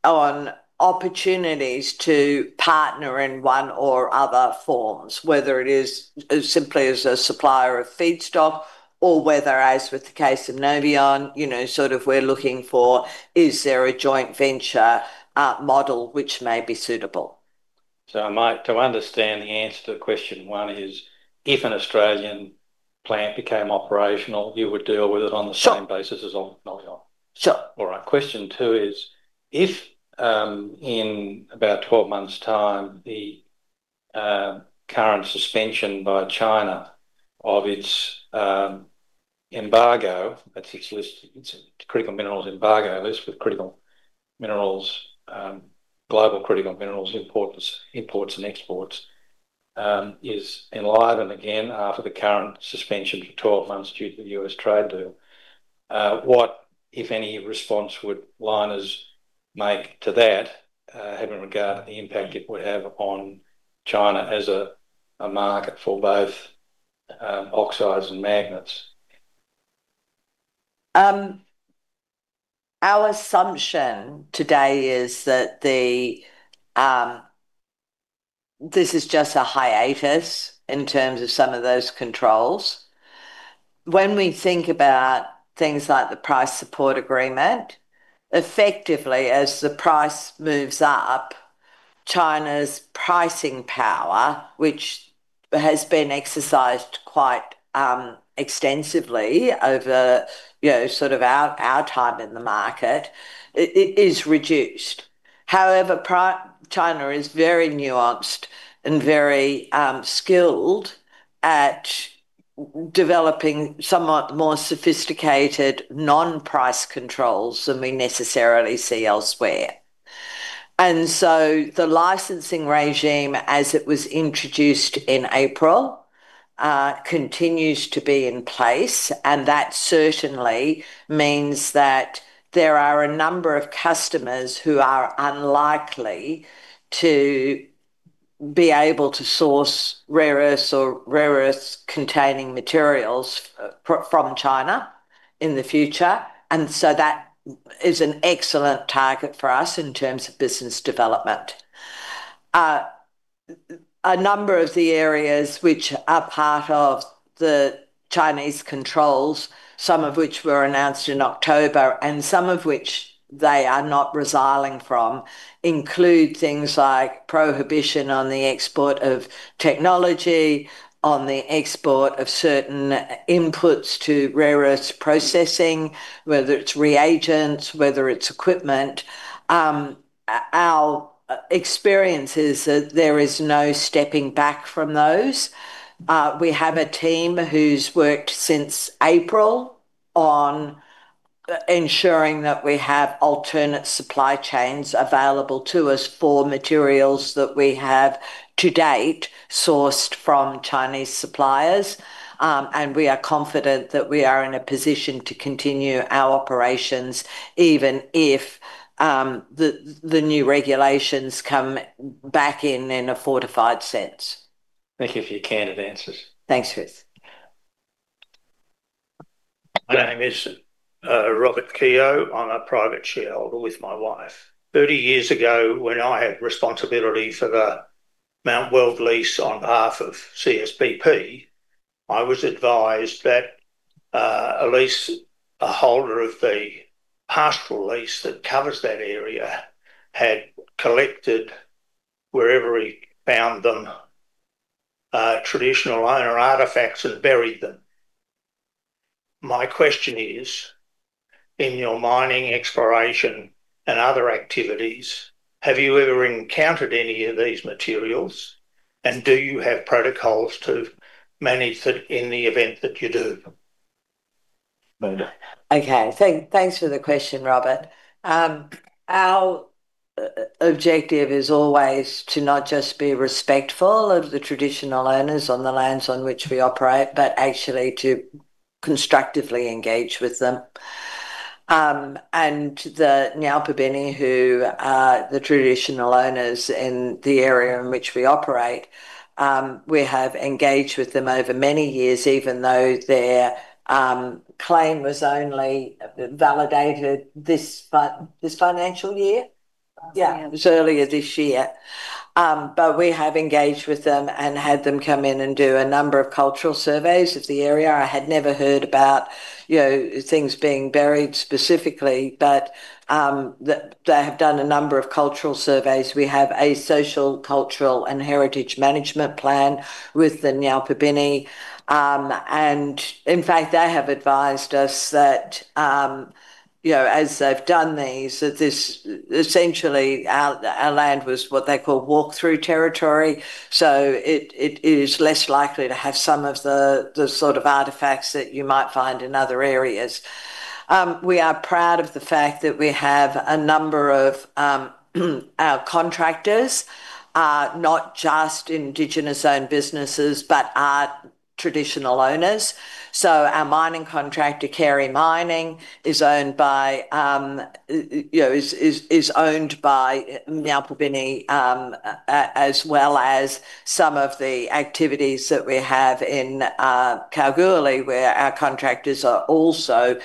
on opportunities to partner in one or other forms, whether it is simply as a supplier of feedstock or whether, as with the case of Noveon, we are looking for, is there a joint venture model which may be suitable? To understand, the answer to question one is, if an Australian plant became operational, you would deal with it on the same basis as Noveon. Sure. All right. Question two is, if in about 12 months' time, the current suspension by China of its embargo, that's its list, its critical minerals embargo list with global critical minerals imports and exports, is enlivened again after the current suspension for 12 months due to the U.S. trade deal, what, if any, response would Lynas make to that, having regard to the impact it would have on China as a market for both oxides and magnets? Our assumption today is that this is just a hiatus in terms of some of those controls. When we think about things like the price support agreement, effectively, as the price moves up, China's pricing power, which has been exercised quite extensively over sort of our time in the market, is reduced. However, China is very nuanced and very skilled at developing somewhat more sophisticated non-price controls than we necessarily see elsewhere. The licensing regime, as it was introduced in April, continues to be in place. That certainly means that there are a number of customers who are unlikely to be able to source rare earths or rare earths-containing materials from China in the future. That is an excellent target for us in terms of business development. A number of the areas which are part of the Chinese controls, some of which were announced in October and some of which they are not resiling from, include things like prohibition on the export of technology, on the export of certain inputs to rare earths processing, whether it is reagents, whether it is equipment. Our experience is that there is no stepping back from those. We have a team who's worked since April on ensuring that we have alternate supply chains available to us for materials that we have to date sourced from Chinese suppliers. We are confident that we are in a position to continue our operations even if the new regulations come back in in a fortified sense. Thank you for your candid answers. Thanks, Chris. My name is [Robert Keogh]. I'm a private shareholder with my wife. Thirty years ago, when I had responsibility for the Mt Weld lease on behalf of CSPP, I was advised that at least a holder of the pastoral lease that covers that area had collected, wherever he found them, traditional owner artifacts and buried them. My question is, in your mining, exploration, and other activities, have you ever encountered any of these materials? Do you have protocols to manage that in the event that you do? Okay. Thanks for the question, Robert. Our objective is always to not just be respectful of the traditional owners on the lands on which we operate, but actually to constructively engage with them. The Nyalpa Pirniku, who are the traditional owners in the area in which we operate, we have engaged with them over many years, even though their claim was only validated this financial year. Yeah, it was earlier this year. We have engaged with them and had them come in and do a number of cultural surveys of the area. I had never heard about things being buried specifically, but they have done a number of cultural surveys. We have a social, cultural, and heritage management plan with the Nyalpa Pirniku. In fact, they have advised us that as they've done these, essentially, our land was what they call walk-through territory. It is less likely to have some of the sort of artifacts that you might find in other areas. We are proud of the fact that we have a number of our contractors, not just indigenous-owned businesses, but our traditional owners. Our mining contractor, Carey Mining, is owned by Nyalpa Pirniku, as well as some of the activities that we have in Kalgoorlie, where our contractors are also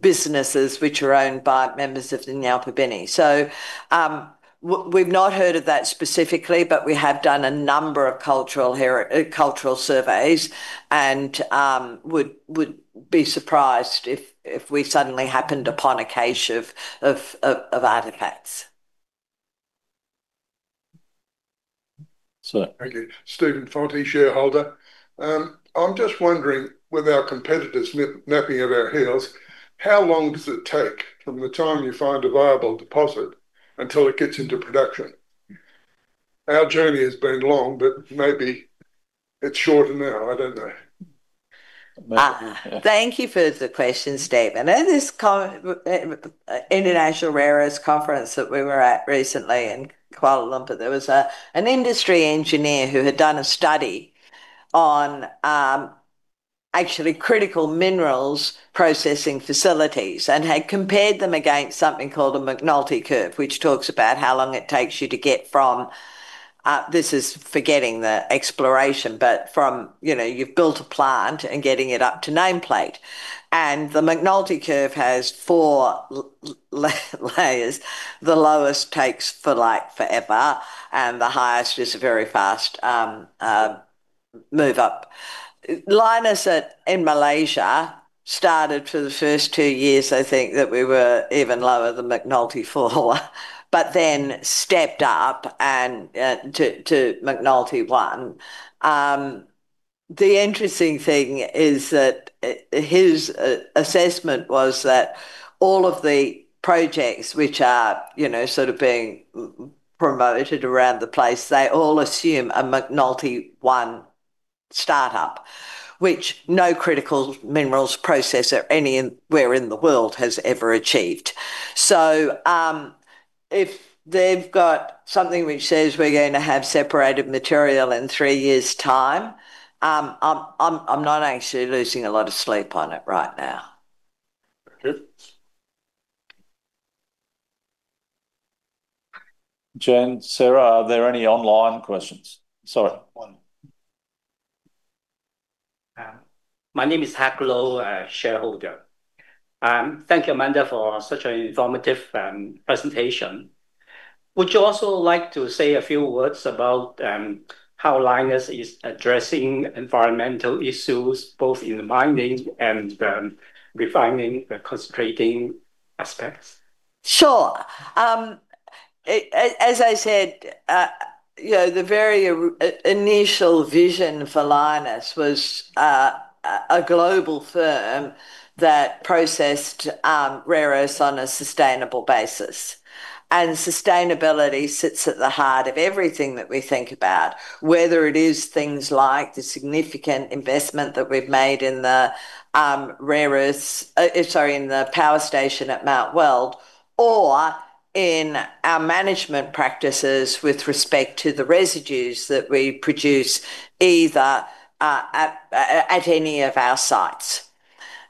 businesses which are owned by members of the Nyalpa Pirniku. We have not heard of that specifically, but we have done a number of cultural surveys and would be surprised if we suddenly happened upon a case of artifacts. Thank you. Stephen Fawerty, shareholder. I'm just wondering, with our competitors napping at our heels, how long does it take from the time you find a viable deposit until it gets into production? Our journey has been long, but maybe it's shorter now. I don't know. Thank you for the question, Stephen. At this International Rare Earths Conference that we were at recently in Kuala Lumpur, there was an industry engineer who had done a study on actually critical minerals processing facilities and had compared them against something called a McNulty curve, which talks about how long it takes you to get from this is forgetting the exploration, but from you've built a plant and getting it up to nameplate. The McNulty curve has four layers. The lowest takes forever, and the highest is a very fast move-up. Lynas in Malaysia started for the first two years, I think, that we were even lower than McNulty 4, but then stepped up to McNulty 1. The interesting thing is that his assessment was that all of the projects which are sort of being promoted around the place, they all assume a McNulty 1 startup, which no critical minerals processor anywhere in the world has ever achieved. If they've got something which says we're going to have separated material in three years' time, I'm not actually losing a lot of sleep on it right now. Thank you. Jen, Sarah, are there any online questions? Sorry. My name is [Hacklow], shareholder. Thank you, Amanda, for such an informative presentation. Would you also like to say a few words about how Lynas is addressing environmental issues, both in the mining and refining and concentrating aspects? Sure. As I said, the very initial vision for Lynas was a global firm that processed rare earths on a sustainable basis. Sustainability sits at the heart of everything that we think about, whether it is things like the significant investment that we've made in the power station at Mt Weld, or in our management practices with respect to the residues that we produce at any of our sites.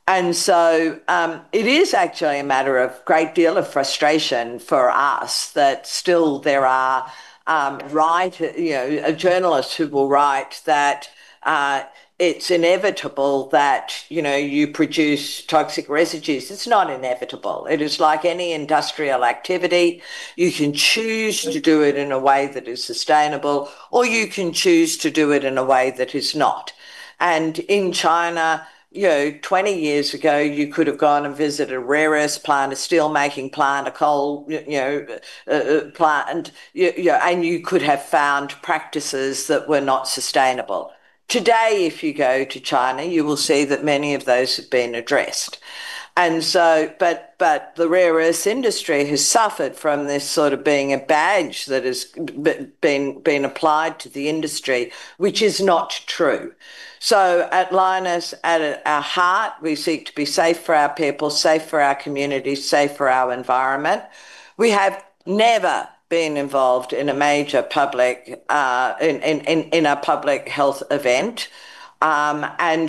It is actually a matter of a great deal of frustration for us that still there are journalists who will write that it's inevitable that you produce toxic residues. It's not inevitable. It is like any industrial activity. You can choose to do it in a way that is sustainable, or you can choose to do it in a way that is not. In China, 20 years ago, you could have gone and visited a rare earths plant, a steelmaking plant, a coal plant, and you could have found practices that were not sustainable. Today, if you go to China, you will see that many of those have been addressed. The rare earths industry has suffered from this sort of being a badge that has been applied to the industry, which is not true. At Lynas, at our heart, we seek to be safe for our people, safe for our communities, safe for our environment. We have never been involved in a major public health event. Our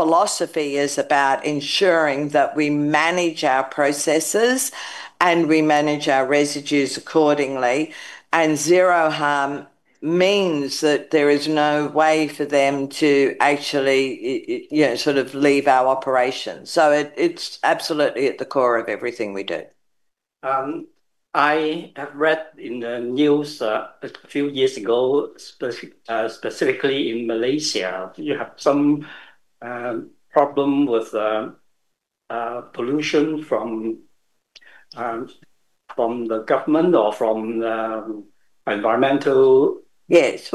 philosophy is about ensuring that we manage our processes and we manage our residues accordingly. Zero harm means that there is no way for them to actually sort of leave our operations. It is absolutely at the core of everything we do. I have read in the news a few years ago, specifically in Malaysia, you have some problem with pollution from the government or from environmental. Yes.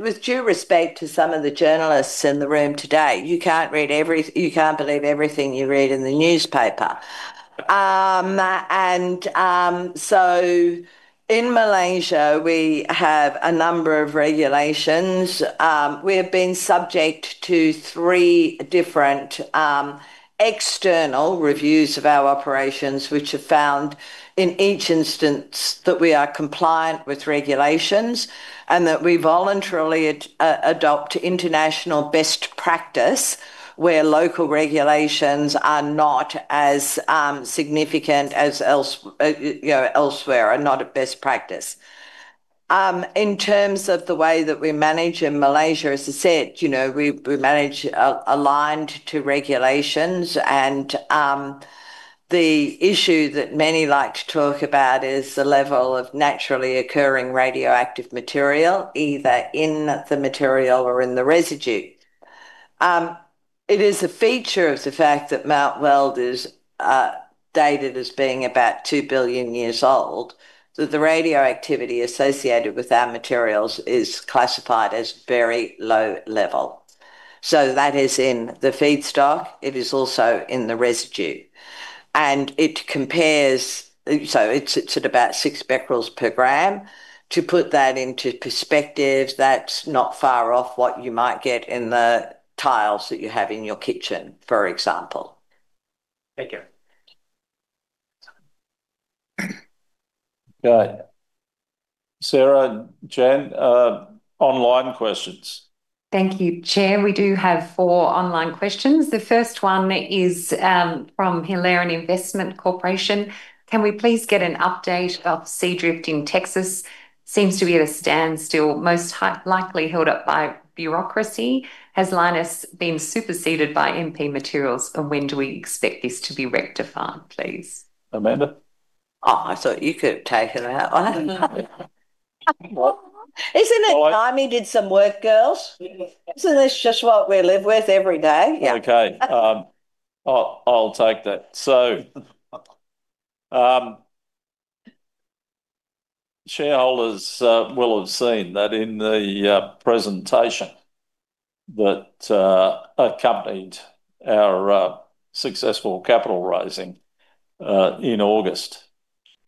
With due respect to some of the journalists in the room today, you cannot believe everything you read in the newspaper. In Malaysia, we have a number of regulations. We have been subject to three different external reviews of our operations, which have found in each instance that we are compliant with regulations and that we voluntarily adopt international best practice where local regulations are not as significant as elsewhere and not at best practice. In terms of the way that we manage in Malaysia, as I said, we manage aligned to regulations. The issue that many like to talk about is the level of naturally occurring radioactive material, either in the material or in the residue. It is a feature of the fact that Mt Weld is dated as being about 2 billion years old, that the radioactivity associated with our materials is classified as very low level. That is in the feedstock. It is also in the residue. It compares, so it is at about six becquerels per gram. To put that into perspective, that is not far off what you might get in the tiles that you have in your kitchen, for example. Thank you. Got it. Sarah, Jen, online questions. Thank you, Chair. We do have four online questions. The first one is from Hilarion Investment Corporation. Can we please get an update of Seadrift in Texas? Seems to be at a standstill, most likely held up by bureaucracy. Has Lynas been superseded by MP Materials, and when do we expect this to be rectified, please? Amanda? Oh, I thought you could take it out. Isn't it time we did some work, girls? Isn't this just what we live with every day? Yeah. Okay. I'll take that. Shareholders will have seen that in the presentation that accompanied our successful capital raising in August,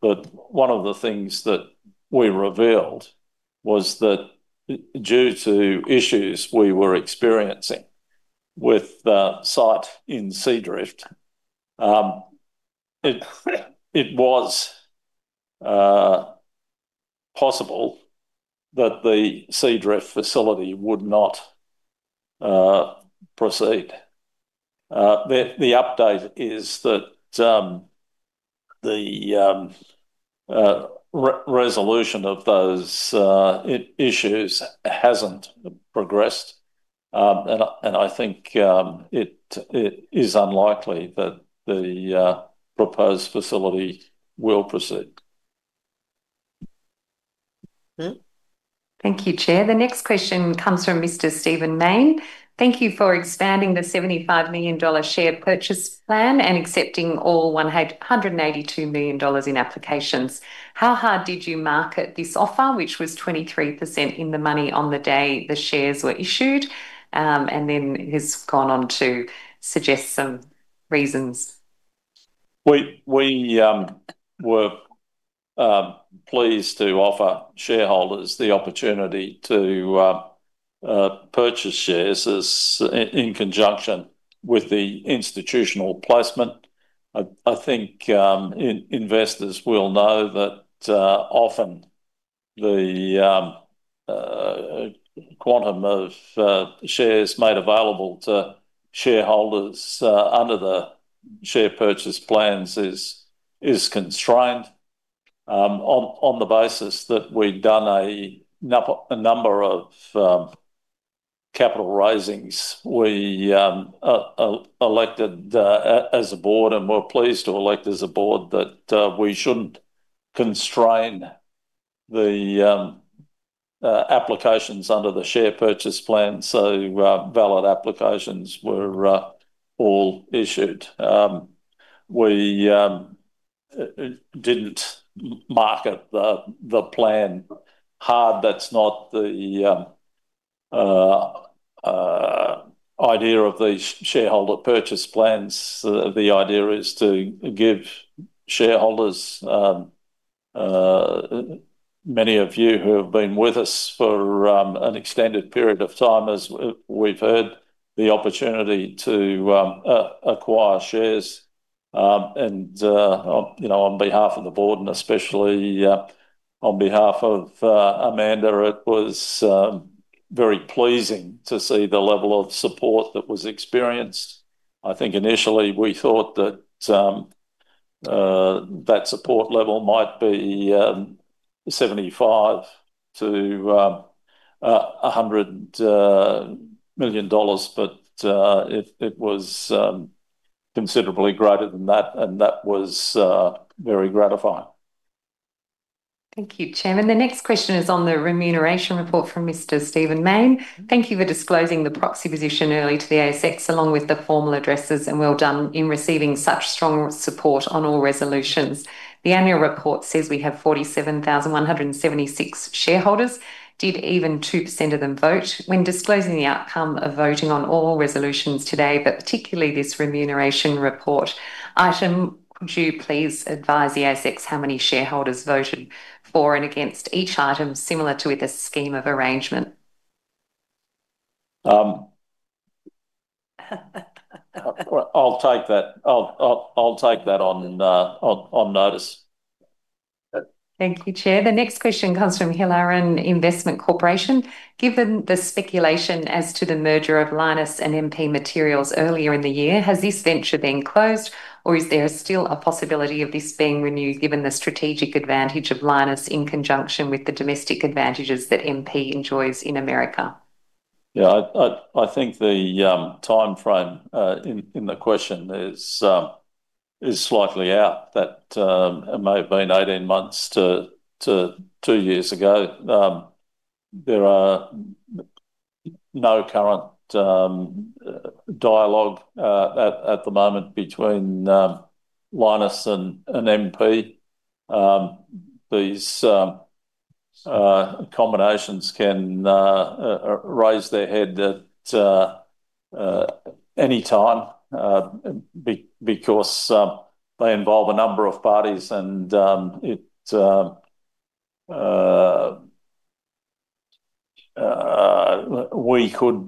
that one of the things that we revealed was that due to issues we were experiencing with the site in Seadrift, it was possible that the Seadrift facility would not proceed. The update is that the resolution of those issues hasn't progressed. I think it is unlikely that the proposed facility will proceed. Thank you, Chair. The next question comes from Mr. Stephen Maine. Thank you for expanding the AUD 75 million share purchase plan and accepting all AUD 182 million in applications. How hard did you market this offer, which was 23% in the money on the day the shares were issued? He has gone on to suggest some reasons. We were pleased to offer shareholders the opportunity to purchase shares in conjunction with the institutional placement. I think investors will know that often the quantum of shares made available to shareholders under the share purchase plans is constrained. On the basis that we have done a number of capital raisings, we elected as a board and were pleased to elect as a board that we should not constrain the applications under the share purchase plan. Valid applications were all issued. We did not market the plan hard. That is not the idea of these shareholder purchase plans. The idea is to give shareholders, many of you who have been with us for an extended period of time, as we've heard, the opportunity to acquire shares. On behalf of the board, and especially on behalf of Amanda, it was very pleasing to see the level of support that was experienced. I think initially we thought that that support level might be 75 million-100 million dollars, but it was considerably greater than that, and that was very gratifying. Thank you, Chair. The next question is on the remuneration report from Mr. Stephen Maine. Thank you for disclosing the proxy position early to the ASX along with the formal addresses and well done in receiving such strong support on all resolutions. The annual report says we have 47,176 shareholders. Did even 2% of them vote? When disclosing the outcome of voting on all resolutions today, but particularly this remuneration report item, could you please advise the ASX how many shareholders voted for and against each item similar to with a scheme of arrangement? I'll take that. I'll take that on notice. Thank you, Chair. The next question comes from Hilarion Investment Corporation. Given the speculation as to the merger of Lynas and MP Materials earlier in the year, has this venture been closed, or is there still a possibility of this being renewed given the strategic advantage of Lynas in conjunction with the domestic advantages that MP enjoys in America? Yeah, I think the timeframe in the question is slightly out. That may have been 18 months to two years ago. There are no current dialogue at the moment between Lynas and MP. These combinations can raise their head at any time because they involve a number of parties, and we could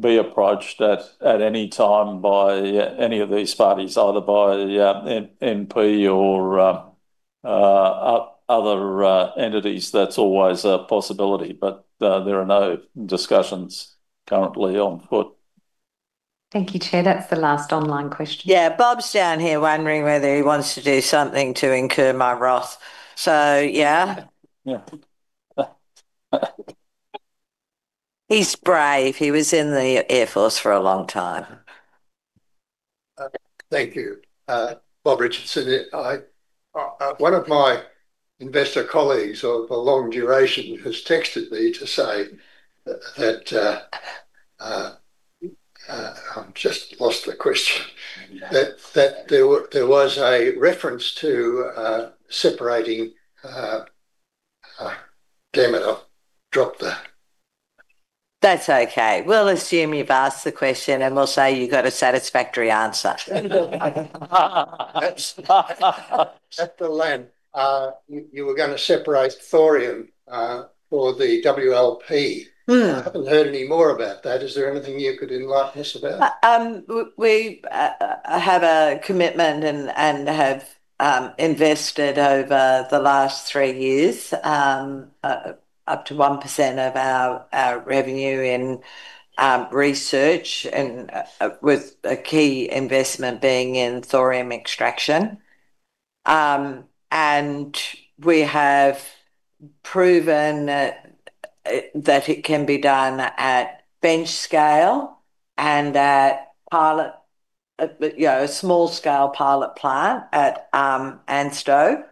be approached at any time by any of these parties, either by MP or other entities. That's always a possibility, but there are no discussions currently on foot. Thank you, Chair. That's the last online question. Yeah, Bob's down here wondering whether he wants to do something to incur my wrath. Yeah. He's brave. He was in the Air Force for a long time. Thank you, Bob Richardson. One of my investor colleagues of a long duration has texted me to say that I've just lost the question, that there was a reference to separating gamma drop there. That's okay. We'll assume you've asked the question, and we'll say you got a satisfactory answer. At the land, you were going to separate thorium for the WLP. I haven't heard any more about that. Is there anything you could enlighten us about? We have a commitment and have invested over the last three years up to 1% of our revenue in research, with a key investment being in thorium extraction. We have proven that it can be done at bench scale and at a small-scale pilot plant at ANSTO.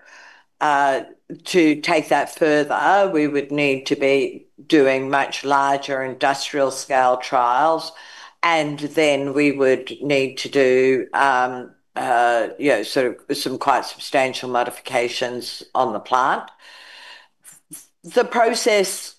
To take that further, we would need to be doing much larger industrial-scale trials, and we would need to do sort of some quite substantial modifications on the plant. The process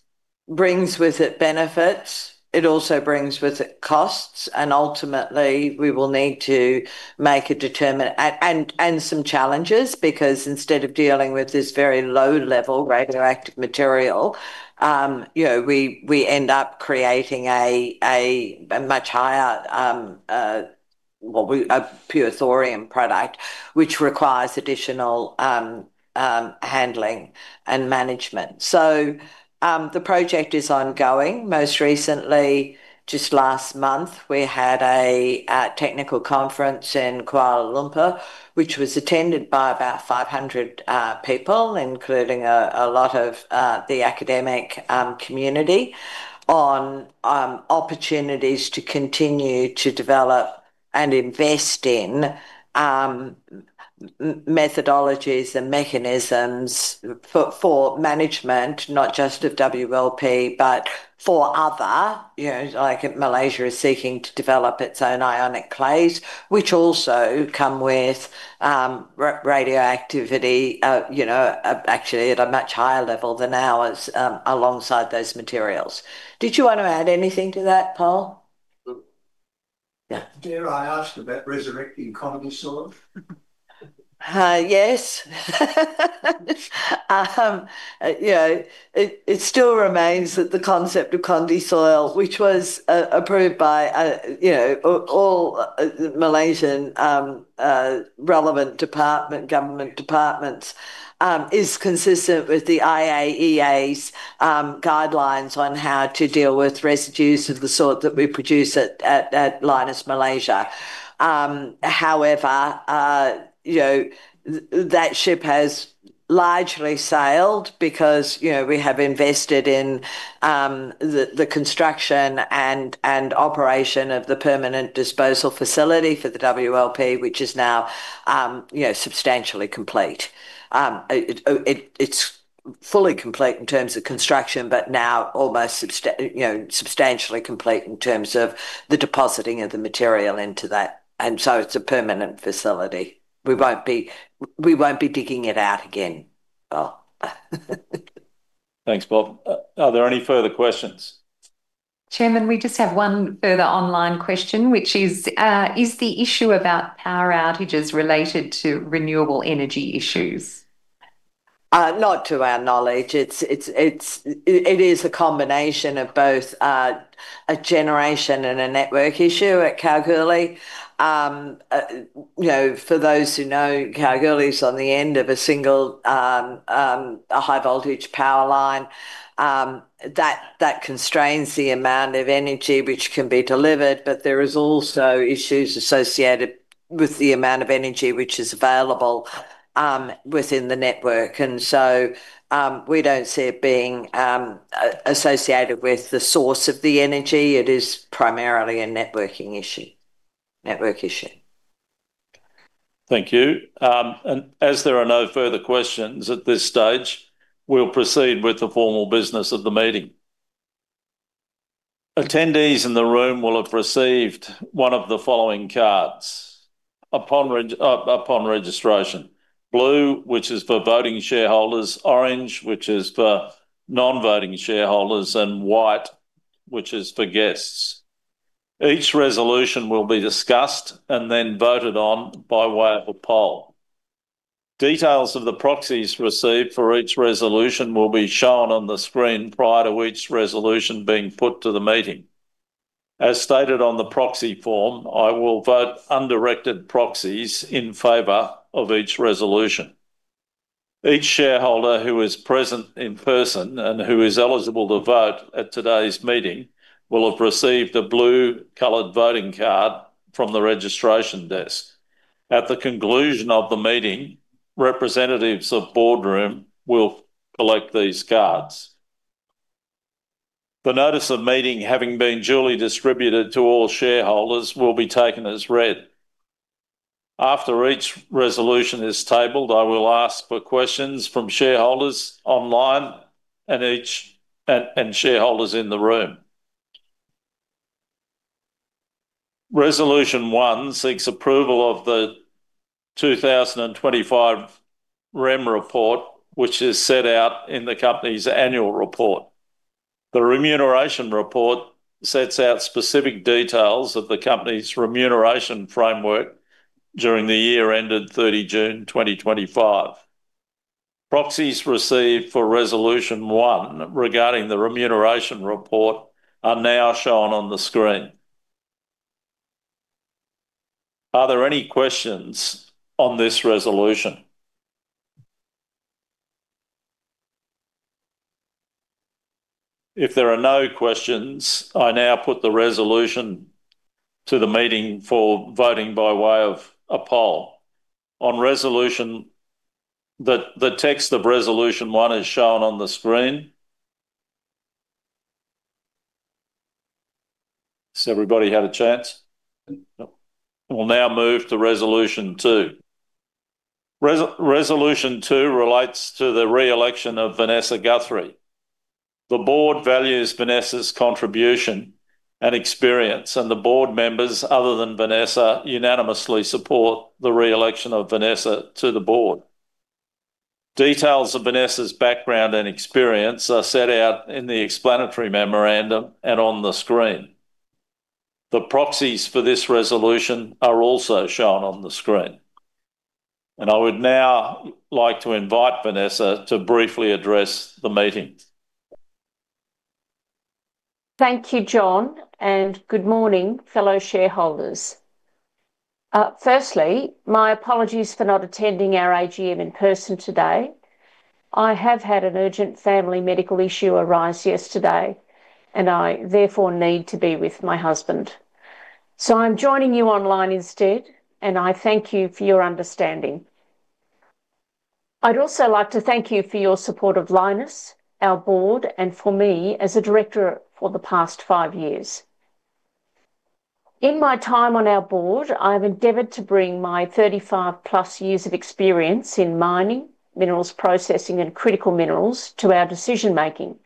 The project is ongoing. Most recently, just last month, we had a technical conference in Kuala Lumpur, which was attended by about 500 people, including a lot of the academic community, on opportunities to continue to develop and invest in methodologies and mechanisms for management, not just of WLP, but for other, like Malaysia is seeking to develop its own ionic clays, which also come with radioactivity, actually at a much higher level than ours, alongside those materials. Did you want to add anything to that, Bob? Yeah. Did I ask about resurrecting [condy] soil? Yes. It still remains that the concept of [condy] soil, which was approved by all Malaysian relevant government departments, is consistent with the IAEA's guidelines on how to deal with residues of the sort that we produce at Lynas Malaysia. However, that ship has largely sailed because we have invested in the construction and operation of the permanent disposal facility for the WLP, which is now substantially complete. It is fully complete in terms of construction, but now almost substantially complete in terms of the depositing of the material into that. It is a permanent facility. We will not be digging it out again. Thanks, Bob. Are there any further questions? Chairman, we just have one further online question, which is, is the issue about power outages related to renewable energy issues? Not to our knowledge. It is a combination of both a generation and a network issue at Kalgoorlie. For those who know, Kalgoorlie is on the end of a single high-voltage power line. That constrains the amount of energy which can be delivered, but there are also issues associated with the amount of energy which is available within the network. We do not see it being associated with the source of the energy. It is primarily a networking issue. Thank you. As there are no further questions at this stage, we will proceed with the formal business of the meeting. Attendees in the room will have received one of the following cards upon registration: blue, which is for voting shareholders; orange, which is for non-voting shareholders; and white, which is for guests. Each resolution will be discussed and then voted on by way of a poll. Details of the proxies received for each resolution will be shown on the screen prior to each resolution being put to the meeting. As stated on the proxy form, I will vote undirected proxies in favor of each resolution. Each shareholder who is present in person and who is eligible to vote at today's meeting will have received a blue-colored voting card from the registration desk. At the conclusion of the meeting, representatives of Boardroom will collect these cards. The notice of meeting having been duly distributed to all shareholders will be taken as read. After each resolution is tabled, I will ask for questions from shareholders online and shareholders in the room. Resolution one seeks approval of the 2025 REM report, which is set out in the company's annual report. The remuneration report sets out specific details of the company's remuneration framework during the year ended 30 June 2025. Proxies received for resolution one regarding the remuneration report are now shown on the screen. Are there any questions on this resolution? If there are no questions, I now put the resolution to the meeting for voting by way of a poll. On resolution, the text of resolution one is shown on the screen. Has everybody had a chance? We will now move to resolution two. Resolution two relates to the re-election of Vanessa Guthrie. The board values Vanessa's contribution and experience, and the board members other than Vanessa unanimously support the re-election of Vanessa to the board. Details of Vanessa's background and experience are set out in the explanatory memorandum and on the screen. The proxies for this resolution are also shown on the screen. I would now like to invite Vanessa to briefly address the meeting. Thank you, John, and good morning, fellow shareholders. Firstly, my apologies for not attending our AGM in person today. I have had an urgent family medical issue arise yesterday, and I therefore need to be with my husband. I am joining you online instead, and I thank you for your understanding. I would also like to thank you for your support of Lynas, our board, and for me as a director for the past five years. In my time on our board, I have endeavored to bring my 35+ years of experience in mining, minerals processing, and critical minerals to our decision-making,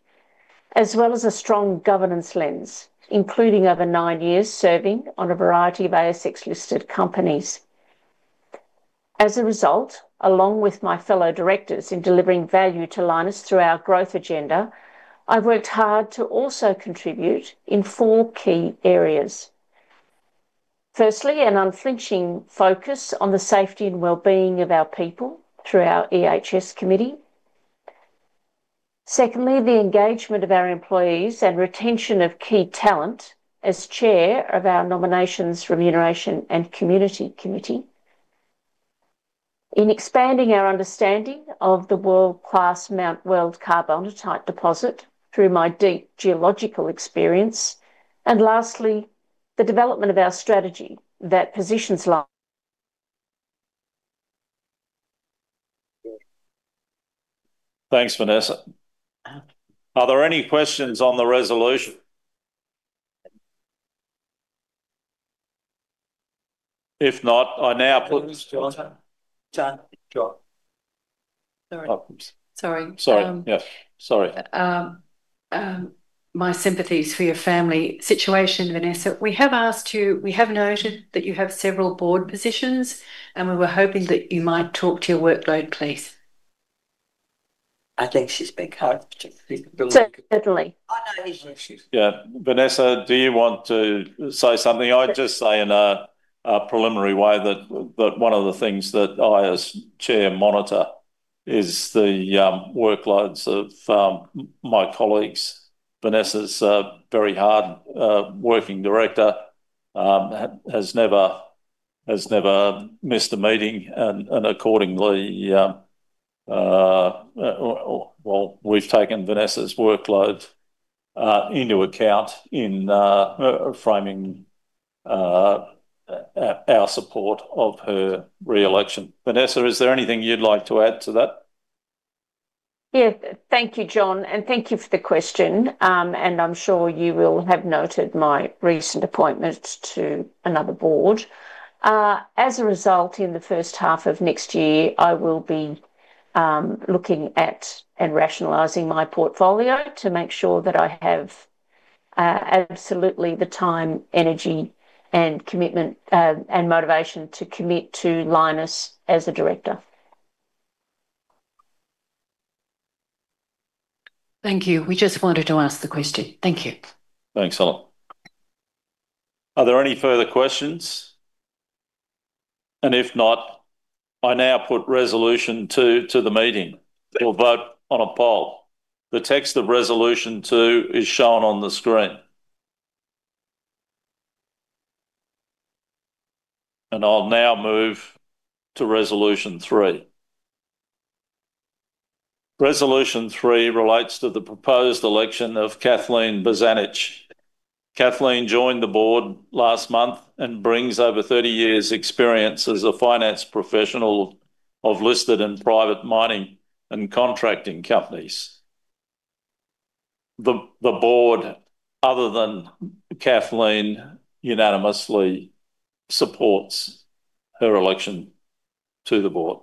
as well as a strong governance lens, including over nine years serving on a variety of ASX-listed companies. As a result, along with my fellow directors in delivering value to Lynas through our growth agenda, I have worked hard to also contribute in four key areas. Firstly, an unflinching focus on the safety and well-being of our people through our EHS committee. Secondly, the engagement of our employees and retention of key talent as Chair of our Nominations, Remuneration, and Community Committee. In expanding our understanding of the world-class Mt Weld carbonatite type deposit through my deep geological experience. Lastly, the development of our strategy that positions Lynas. Thanks, Vanessa. Are there any questions on the resolution? If not, I now put. John. Sorry. Sorry. Sorry. Yes. Sorry. My sympathies for your family situation, Vanessa. We have asked you, we have noted that you have several board positions, and we were hoping that you might talk to your workload, please. I think she's been kind of. Certainly. Yeah. Vanessa, do you want to say something? I'd just say in a preliminary way that one of the things that I as Chair monitor is the workloads of my colleagues. Vanessa's a very hard-working director, has never missed a meeting, and accordingly, we've taken Vanessa's workload into account in framing our support of her re-election. Vanessa, is there anything you'd like to add to that? Yeah. Thank you, John, and thank you for the question. I'm sure you will have noted my recent appointment to another board. As a result, in the first half of next year, I will be looking at and rationalizing my portfolio to make sure that I have absolutely the time, energy, and commitment and motivation to commit to Lynas as a director. Thank you. We just wanted to ask the question. Thank you. Thanks a lot. Are there any further questions? If not, I now put resolution two to the meeting. We'll vote on a poll. The text of resolution two is shown on the screen. I'll now move to resolution three. Resolution three relates to the proposed election of Kathleen Bozanic. Kathleen joined the board last month and brings over 30 years' experience as a finance professional of listed and private mining and contracting companies. The board, other than Kathleen, unanimously supports her election to the board.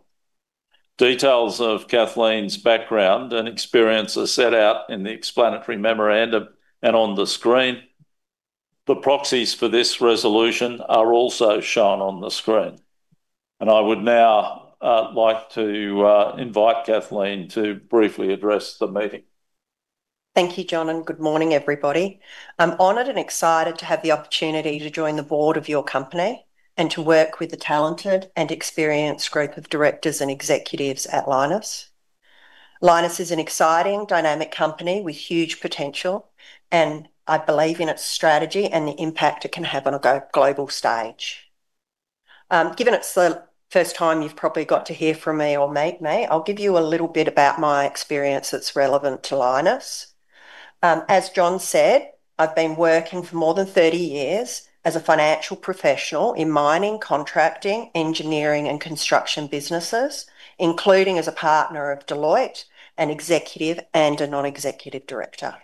Details of Kathleen's background and experience are set out in the explanatory memorandum and on the screen. The proxies for this resolution are also shown on the screen. I would now like to invite Kathleen to briefly address the meeting. Thank you, John, and good morning, everybody. I'm honored and excited to have the opportunity to join the board of your company and to work with the talented and experienced group of directors and executives at Lynas. Lynas is an exciting, dynamic company with huge potential, and I believe in its strategy and the impact it can have on a global stage. Given it's the first time you've probably got to hear from me or meet me, I'll give you a little bit about my experience that's relevant to Lynas. As John said, I've been working for more than 30 years as a financial professional in mining, contracting, engineering, and construction businesses, including as a partner of Deloitte, an executive and a non-executive director.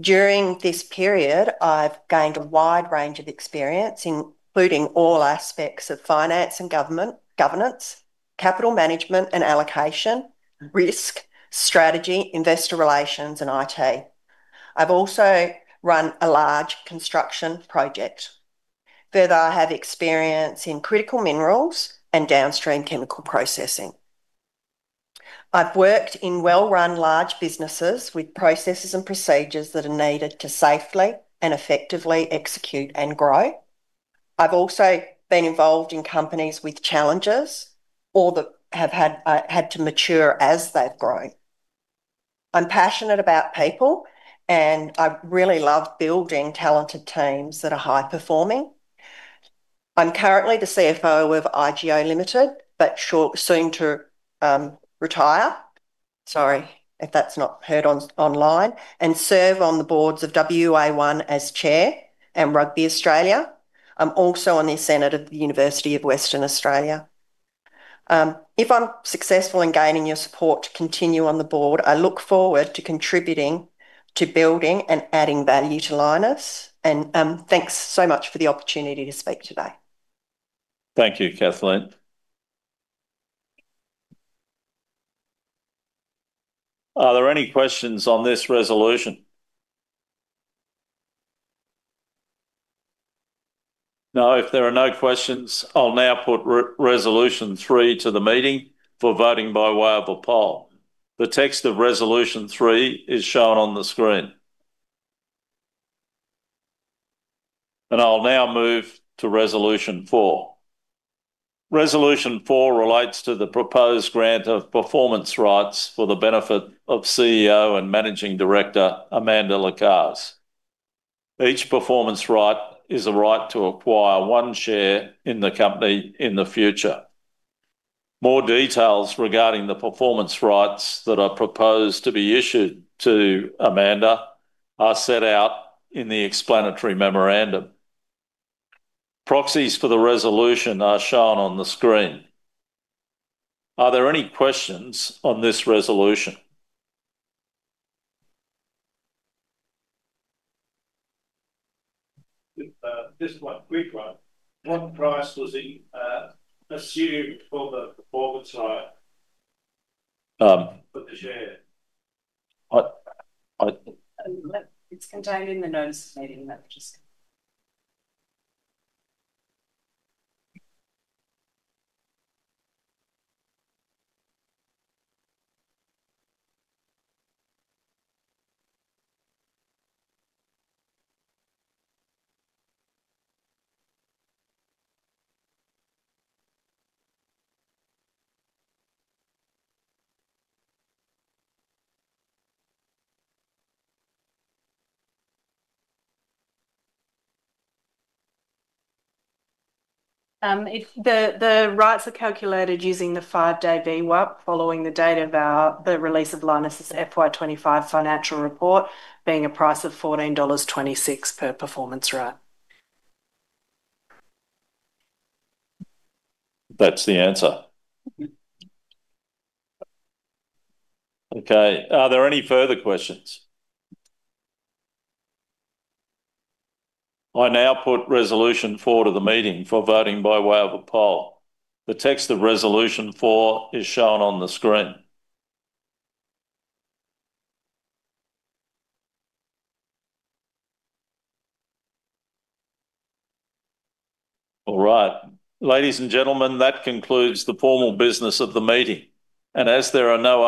During this period, I've gained a wide range of experience, including all aspects of finance and governance, capital management and allocation, risk, strategy, investor relations, and IT. I've also run a large construction project. Further, I have experience in critical minerals and downstream chemical processing. I've worked in well-run large businesses with processes and procedures that are needed to safely and effectively execute and grow. I've also been involved in companies with challenges or that have had to mature as they've grown. I'm passionate about people, and I really love building talented teams that are high-performing. I'm currently the CFO of IGO Limited, but soon to retire. Sorry if that's not heard online, and serve on the boards of WA1 as chair and Rugby Australia. I'm also on the Senate of the University of Western Australia. If I'm successful in gaining your support to continue on the board, I look forward to contributing to building and adding value to Lynas. Thank you so much for the opportunity to speak today. Thank you, Kathleen. Are there any questions on this resolution? If there are no questions, I'll now put resolution three to the meeting for voting by way of a poll. The text of resolution three is shown on the screen. I'll now move to resolution four. Resolution four relates to the proposed grant of performance rights for the benefit of CEO and Managing Director, Amanda Lacaze. Each performance right is a right to acquire one share in the company in the future. More details regarding the performance rights that are proposed to be issued to Amanda are set out in the explanatory memorandum. Proxies for the resolution are shown on the screen. Are there any questions on this resolution? Just one quick one. What price was assumed for the performance right for the share? It's contained in the notice of meeting. The rights are calculated using the five-day VWAP following the date of the release of Lynas's FY 2025 financial report, being a price of 14.26 dollars per performance right. That's the answer. Okay. Are there any further questions? I now put resolution four to the meeting for voting by way of a poll. The text of resolution four is shown on the screen. All right. Ladies and gentlemen, that concludes the formal business of the meeting. As there are no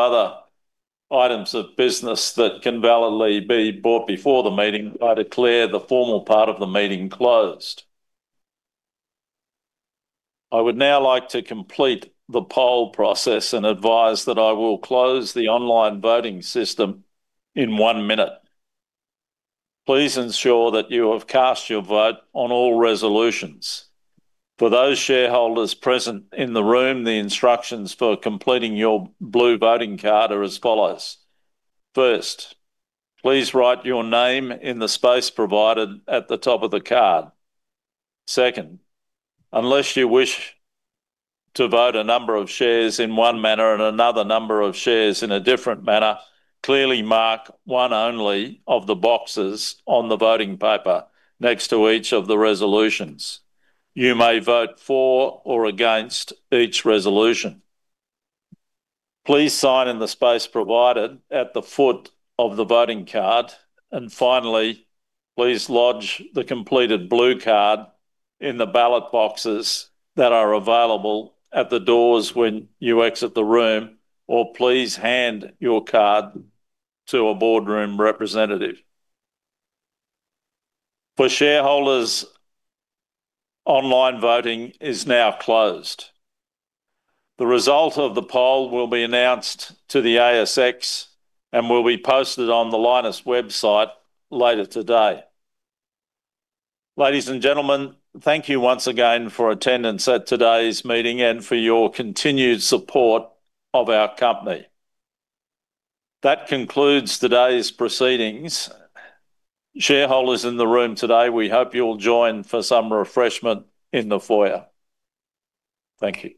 other items of business that can validly be brought before the meeting, I declare the formal part of the meeting closed. I would now like to complete the poll process and advise that I will close the online voting system in one minute. Please ensure that you have cast your vote on all resolutions. For those shareholders present in the room, the instructions for completing your blue voting card are as follows. First, please write your name in the space provided at the top of the card. Second, unless you wish to vote a number of shares in one manner and another number of shares in a different manner, clearly mark one only of the boxes on the voting paper next to each of the resolutions. You may vote for or against each resolution. Please sign in the space provided at the foot of the voting card. Finally, please lodge the completed blue card in the ballot boxes that are available at the doors when you exit the room, or please hand your card to a boardroom representative. For shareholders, online voting is now closed. The result of the poll will be announced to the ASX and will be posted on the Lynas website later today. Ladies and gentlemen, thank you once again for attendance at today's meeting and for your continued support of our company. That concludes today's proceedings. Shareholders in the room today, we hope you'll join for some refreshment in the foyer. Thank you.